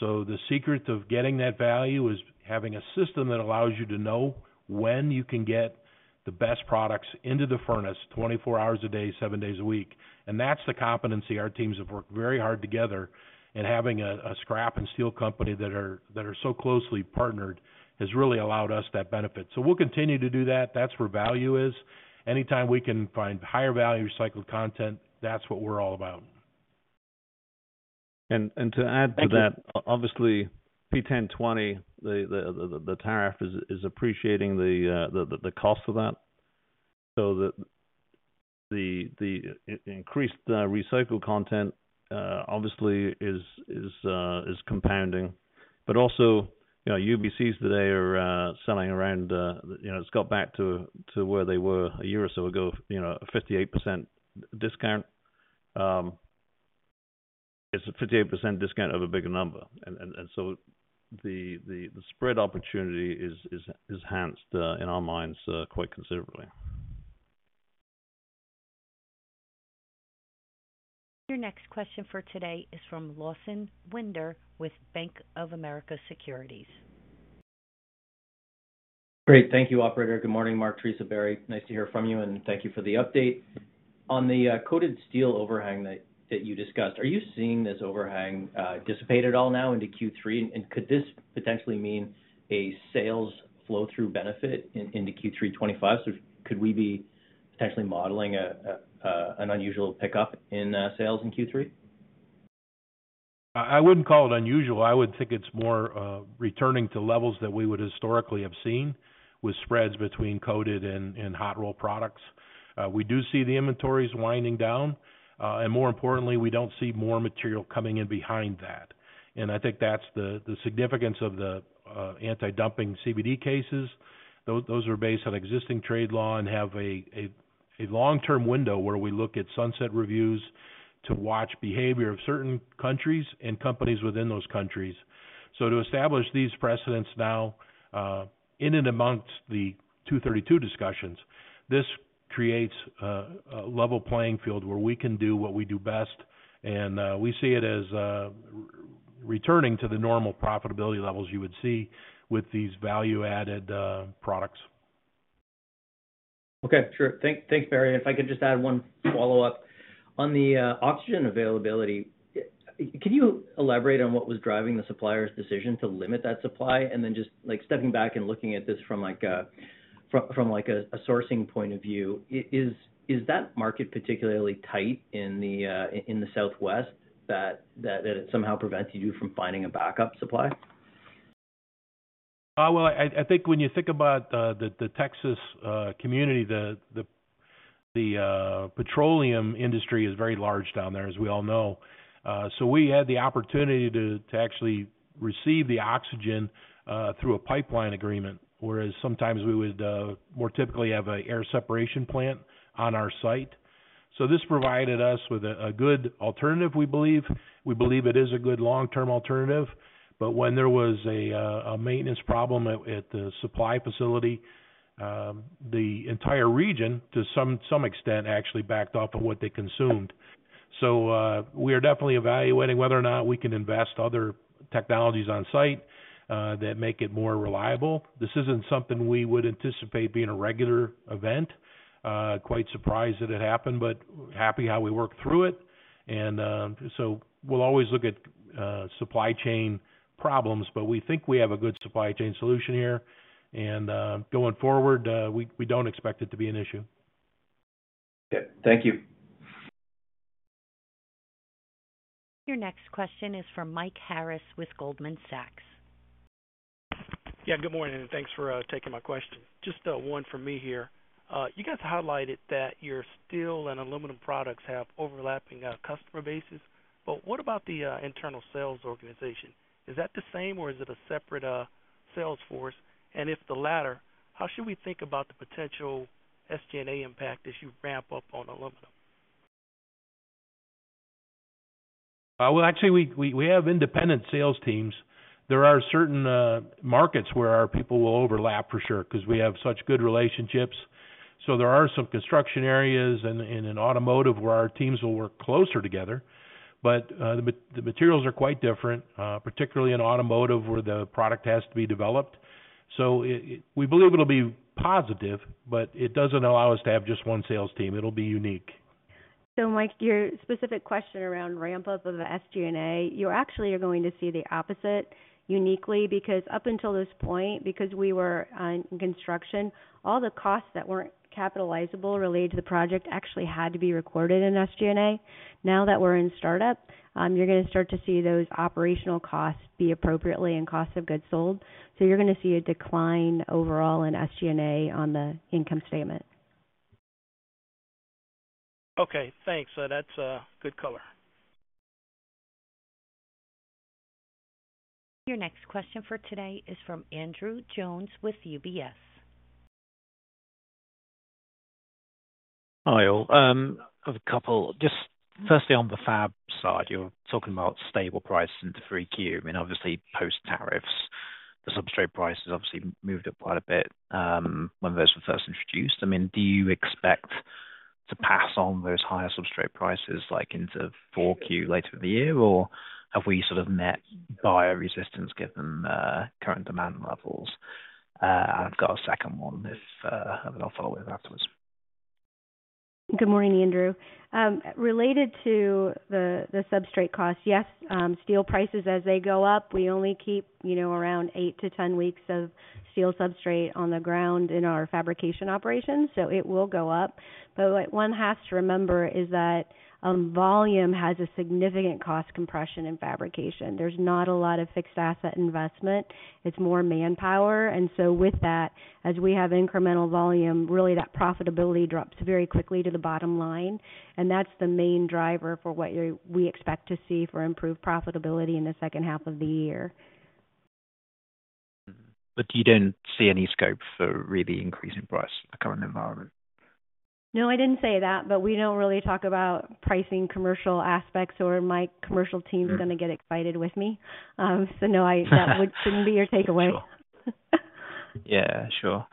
The secret of getting that value is having a system that allows you to know when you can get the best products into the furnace 24 hours a day, seven days a week. That is the competency our teams have worked very hard together in having a scrap and steel company that are so closely partnered has really allowed us that benefit. We will continue to do that. That is where value is. Anytime we can find higher value recycled content, that is what we are all about. To add to that, obviously, P1020, the tariff is appreciating the cost of that. The increased recycled content obviously is compounding. UBCs today are selling around, it has got back to where they were a year or so ago, a 58% discount. It is a 58% discount of a bigger number, and the spread opportunity is enhanced in our minds quite considerably. Your next question for today is from Lawson Winder with Bank of America Securities. Great. Thank you, Operator. Good morning, Mark, Theresa, Barry. Nice to hear from you, and thank you for the update. On the coated steel overhang that you discussed, are you seeing this overhang dissipate at all now into Q3? Could this potentially mean a sales flow-through benefit into Q3 2025? Could we be potentially modeling an unusual pickup in sales in Q3? I would not call it unusual. I would think it is more returning to levels that we would historically have seen with spreads between coated and hot rolled products. We do see the inventories winding down. More importantly, we do not see more material coming in behind that. I think that is the significance of the anti-dumping and CVD cases. Those are based on existing trade law and have a long-term window where we look at sunset reviews to watch behavior of certain countries and companies within those countries. To establish these precedents now, in and amongst the Section 232 discussions, this creates a level playing field where we can do what we do best. We see it as returning to the normal profitability levels you would see with these value-added products. Okay. Sure. Thanks, Barry. If I could just add one follow-up. On the oxygen availability, can you elaborate on what was driving the supplier's decision to limit that supply? Just stepping back and looking at this from a sourcing point of view, is that market particularly tight in the Southwest that it somehow prevents you from finding a backup supply? I think when you think about the Texas community, the petroleum industry is very large down there, as we all know. We had the opportunity to actually receive the oxygen through a pipeline agreement, whereas sometimes we would more typically have an air separation plant on our site. This provided us with a good alternative, we believe. We believe it is a good long-term alternative. When there was a maintenance problem at the supply facility, the entire region to some extent actually backed off of what they consumed. We are definitely evaluating whether or not we can invest other technologies on site that make it more reliable. This is not something we would anticipate being a regular event. Quite surprised that it happened, but happy how we worked through it. We will always look at supply chain problems, but we think we have a good supply chain solution here. Going forward, we do not expect it to be an issue. Okay. Thank you. Your next question is from Mike Harris with Goldman Sachs. Yeah, good morning. Thanks for taking my question. Just one from me here. You guys highlighted that your steel and aluminum products have overlapping customer bases. What about the internal sales organization? Is that the same, or is it a separate sales force? If the latter, how should we think about the potential SG&A impact as you ramp up on aluminum? Actually, we have independent sales teams. There are certain markets where our people will overlap for sure because we have such good relationships. There are some construction areas and in automotive where our teams will work closer together. The materials are quite different, particularly in automotive where the product has to be developed. We believe it'll be positive, but it doesn't allow us to have just one sales team. It'll be unique. Mike, your specific question around ramp-up of the SG&A, you actually are going to see the opposite uniquely because up until this point, because we were in construction, all the costs that were not capitalizable related to the project actually had to be recorded in SG&A. Now that we are in startup, you are going to start to see those operational costs be appropriately in cost of goods sold. You are going to see a decline overall in SG&A on the income statement. Okay. Thanks. That's a good color. Your next question for today is from Andrew Jones with UBS. Hi. I have a couple. Just firstly, on the fab side, you're talking about stable price into 3Q. I mean, obviously, post-tariffs, the substrate price has obviously moved up quite a bit when those were first introduced. I mean, do you expect to pass on those higher substrate prices into 4Q later in the year, or have we sort of met buyer resistance given current demand levels? I've got a second one. I'll follow it afterwards. Good morning, Andrew. Related to the substrate cost, yes, steel prices as they go up, we only keep around eight to ten weeks of steel substrate on the ground in our fabrication operations. It will go up. What one has to remember is that volume has a significant cost compression in fabrication. There is not a lot of fixed asset investment. It is more manpower. With that, as we have incremental volume, really that profitability drops very quickly to the bottom line. That is the main driver for what we expect to see for improved profitability in the second half of the year. You do not see any scope for really increasing price in the current environment? No, I didn't say that, but we don't really talk about pricing commercial aspects, or my commercial team is going to get excited with me. No, that shouldn't be your takeaway. Yeah, sure.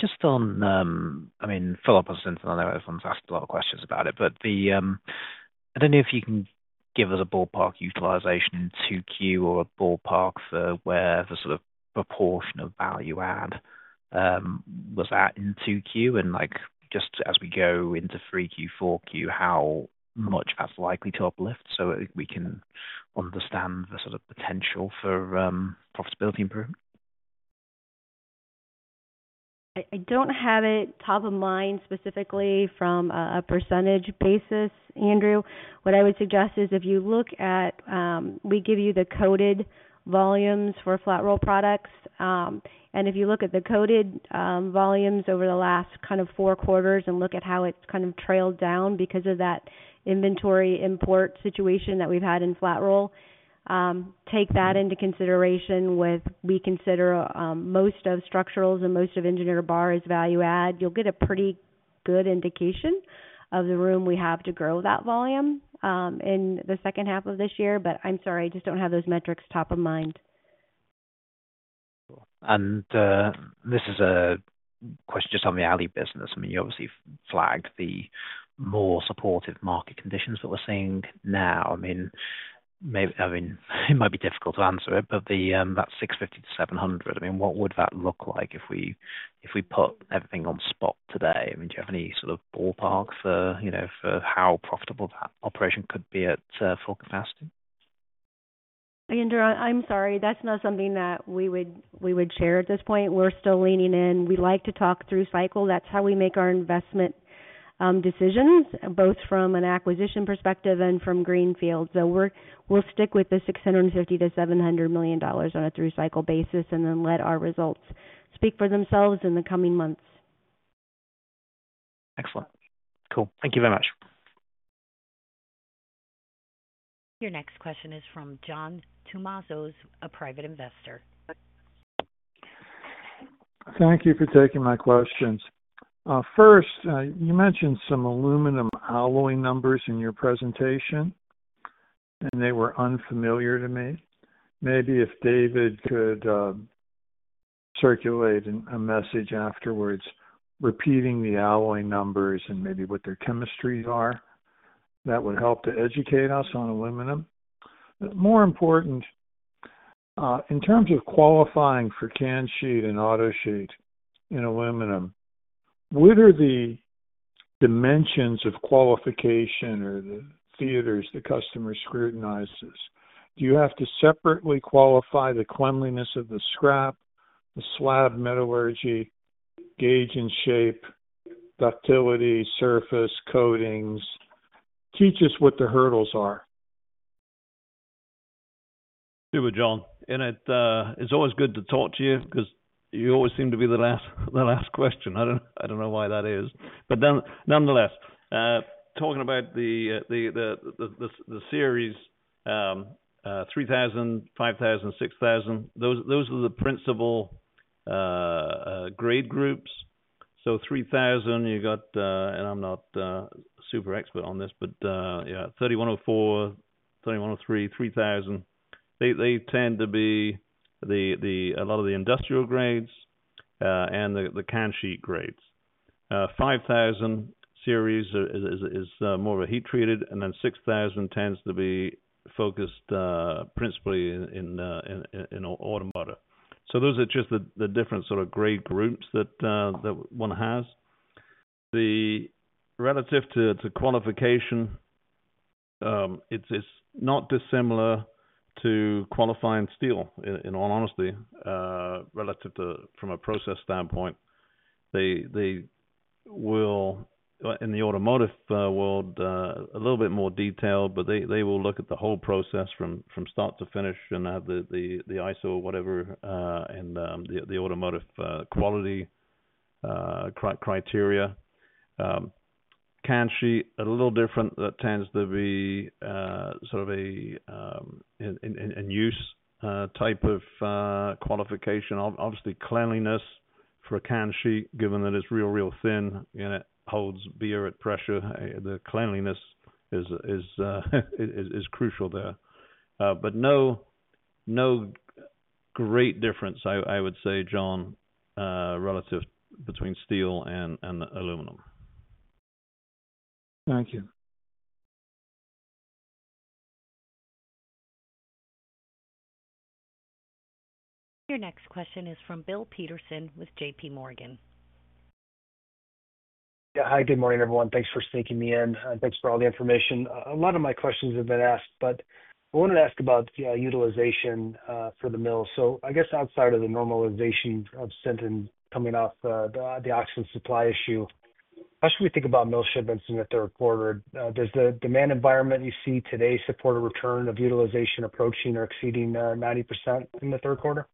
Just on, I mean, follow-up questions, and I know everyone's asked a lot of questions about it, but I don't know if you can give us a ballpark utilization in 2Q or a ballpark for where the sort of proportion of value add was at in 2Q? Just as we go into 3Q, 4Q, how much that's likely to uplift so we can understand the sort of potential for profitability improvement? I don't have it top of mind specifically from a % basis, Andrew. What I would suggest is if you look at. We give you the coated volumes for flat roll products. And if you look at the coated volumes over the last kind of four quarters and look at how it's kind of trailed down because of that inventory import situation that we've had in flat roll. Take that into consideration with we consider most of structurals and most of engineered bars value add. You'll get a pretty good indication of the room we have to grow that volume. In the second half of this year, but I'm sorry, I just don't have those metrics top of mind. This is a question just on the alley business. You obviously flagged the more supportive market conditions that we're seeing now. I mean, it might be difficult to answer it, but that $650million to $700 million. What would that look like if we put everything on spot today? Do you have any sort of ballpark for how profitable that operation could be at full capacity? Andrew, I'm sorry. That's not something that we would share at this point. We're still leaning in. We like to talk through cycle. That's how we make our investment decisions, both from an acquisition perspective and from greenfield. We'll stick with the $650 million to $700 million on a through cycle basis and then let our results speak for themselves in the coming months. Excellent. Cool. Thank you very much. Your next question is from John Tumazos, a private investor. Thank you for taking my questions. First, you mentioned some aluminum alloy numbers in your presentation. They were unfamiliar to me. Maybe if David could circulate a message afterwards, repeating the alloy numbers and maybe what their chemistries are, that would help to educate us on aluminum. More important, in terms of qualifying for can sheet and auto sheet in aluminum, what are the dimensions of qualification or the theaters the customer scrutinizes? Do you have to separately qualify the cleanliness of the scrap, the slab metallurgy, gauge and shape, ductility, surface, coatings? Teach us what the hurdles are. Too, John. And it's always good to talk to you because you always seem to be the last question. I don't know why that is. But nonetheless, talking about the Series 3000, 5000, 6000, those are the principal grade groups. So 3000, you got, and I'm not super expert on this, but yeah, 3104, 3103, 3000, they tend to be a lot of the industrial grades and the can sheet grades. 5000 series is more of a heat-treated, and then 6000 tends to be focused principally in automotive. So those are just the different sort of grade groups that one has. Relative to qualification. It's not dissimilar to qualifying steel, in all honesty. Relative to from a process standpoint. They will, in the automotive world, a little bit more detailed, but they will look at the whole process from start to finish and have the ISO, whatever, and the automotive quality criteria. Can sheet, a little different. That tends to be sort of a in-use type of qualification. Obviously, cleanliness for a can sheet, given that it's real, real thin and it holds beer at pressure, the cleanliness is crucial there. But no great difference, I would say, John. Relative between steel and aluminum. Thank you. Your next question is from Bill Peterson with JPMorgan. Yeah. Hi, good morning, everyone. Thanks for sneaking me in. Thanks for all the information. A lot of my questions have been asked, but I wanted to ask about utilization for the mill. I guess outside of the normalization of Sinton coming off the oxygen supply issue, how should we think about mill shipments in the third quarter? Does the demand environment you see today support a return of utilization approaching or exceeding 90% in the third quarter?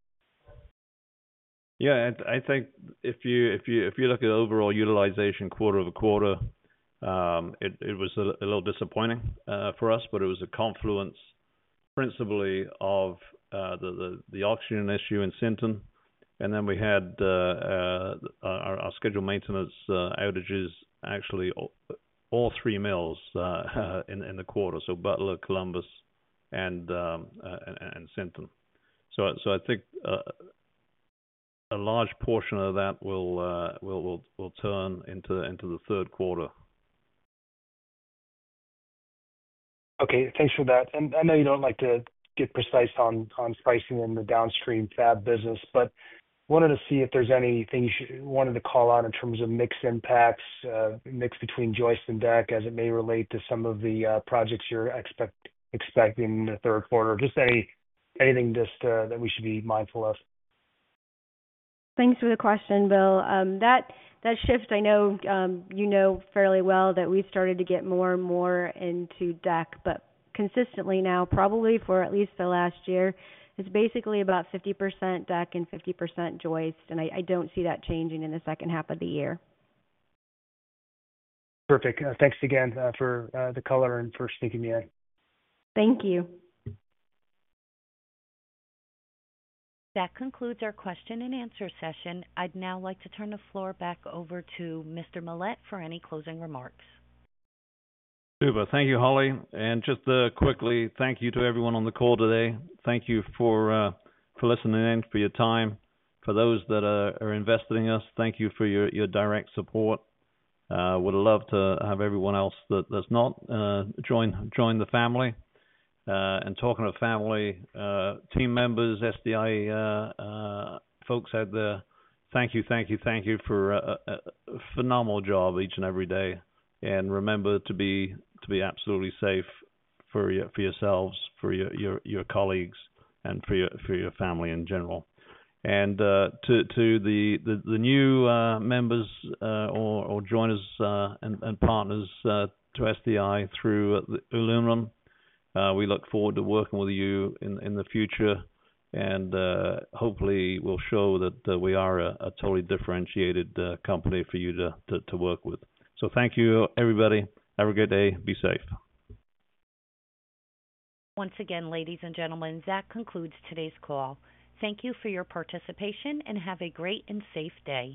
Yeah. I think if you look at the overall utilization quarter over quarter, it was a little disappointing for us, but it was a confluence principally of the oxygen issue in Sinton. Then we had our scheduled maintenance outages, actually all three mills in the quarter, so Butler, Columbus, and Sinton. I think a large portion of that will turn into the third quarter. Okay. Thanks for that. I know you do not like to get precise on pricing in the downstream fab business, but wanted to see if there is anything you wanted to call out in terms of mixed impacts, mixed between joist and deck, as it may relate to some of the projects you are expecting in the third quarter. Just anything that we should be mindful of. Thanks for the question, Bill. That shift, I know you know fairly well that we've started to get more and more into deck, but consistently now, probably for at least the last year, it's basically about 50% deck and 50% joist. I don't see that changing in the second half of the year. Perfect. Thanks again for the color and for sneaking me in. Thank you. That concludes our question and answer session. I'd now like to turn the floor back over to Mr. Millett for any closing remarks. Super. Thank you, Holly. Just quickly, thank you to everyone on the call today. Thank you for listening in, for your time. For those that are invested in us, thank you for your direct support. Would love to have everyone else that's not join the family. Talking to family, team members, SDI folks out there, thank you, thank you, thank you for a phenomenal job each and every day. Remember to be absolutely safe for yourselves, for your colleagues, and for your family in general. To the new members or joiners and partners to SDI through aluminum, we look forward to working with you in the future. Hopefully, we'll show that we are a totally differentiated company for you to work with. Thank you, everybody. Have a good day. Be safe. Once again, ladies and gentlemen, that concludes today's call. Thank you for your participation and have a great and safe day.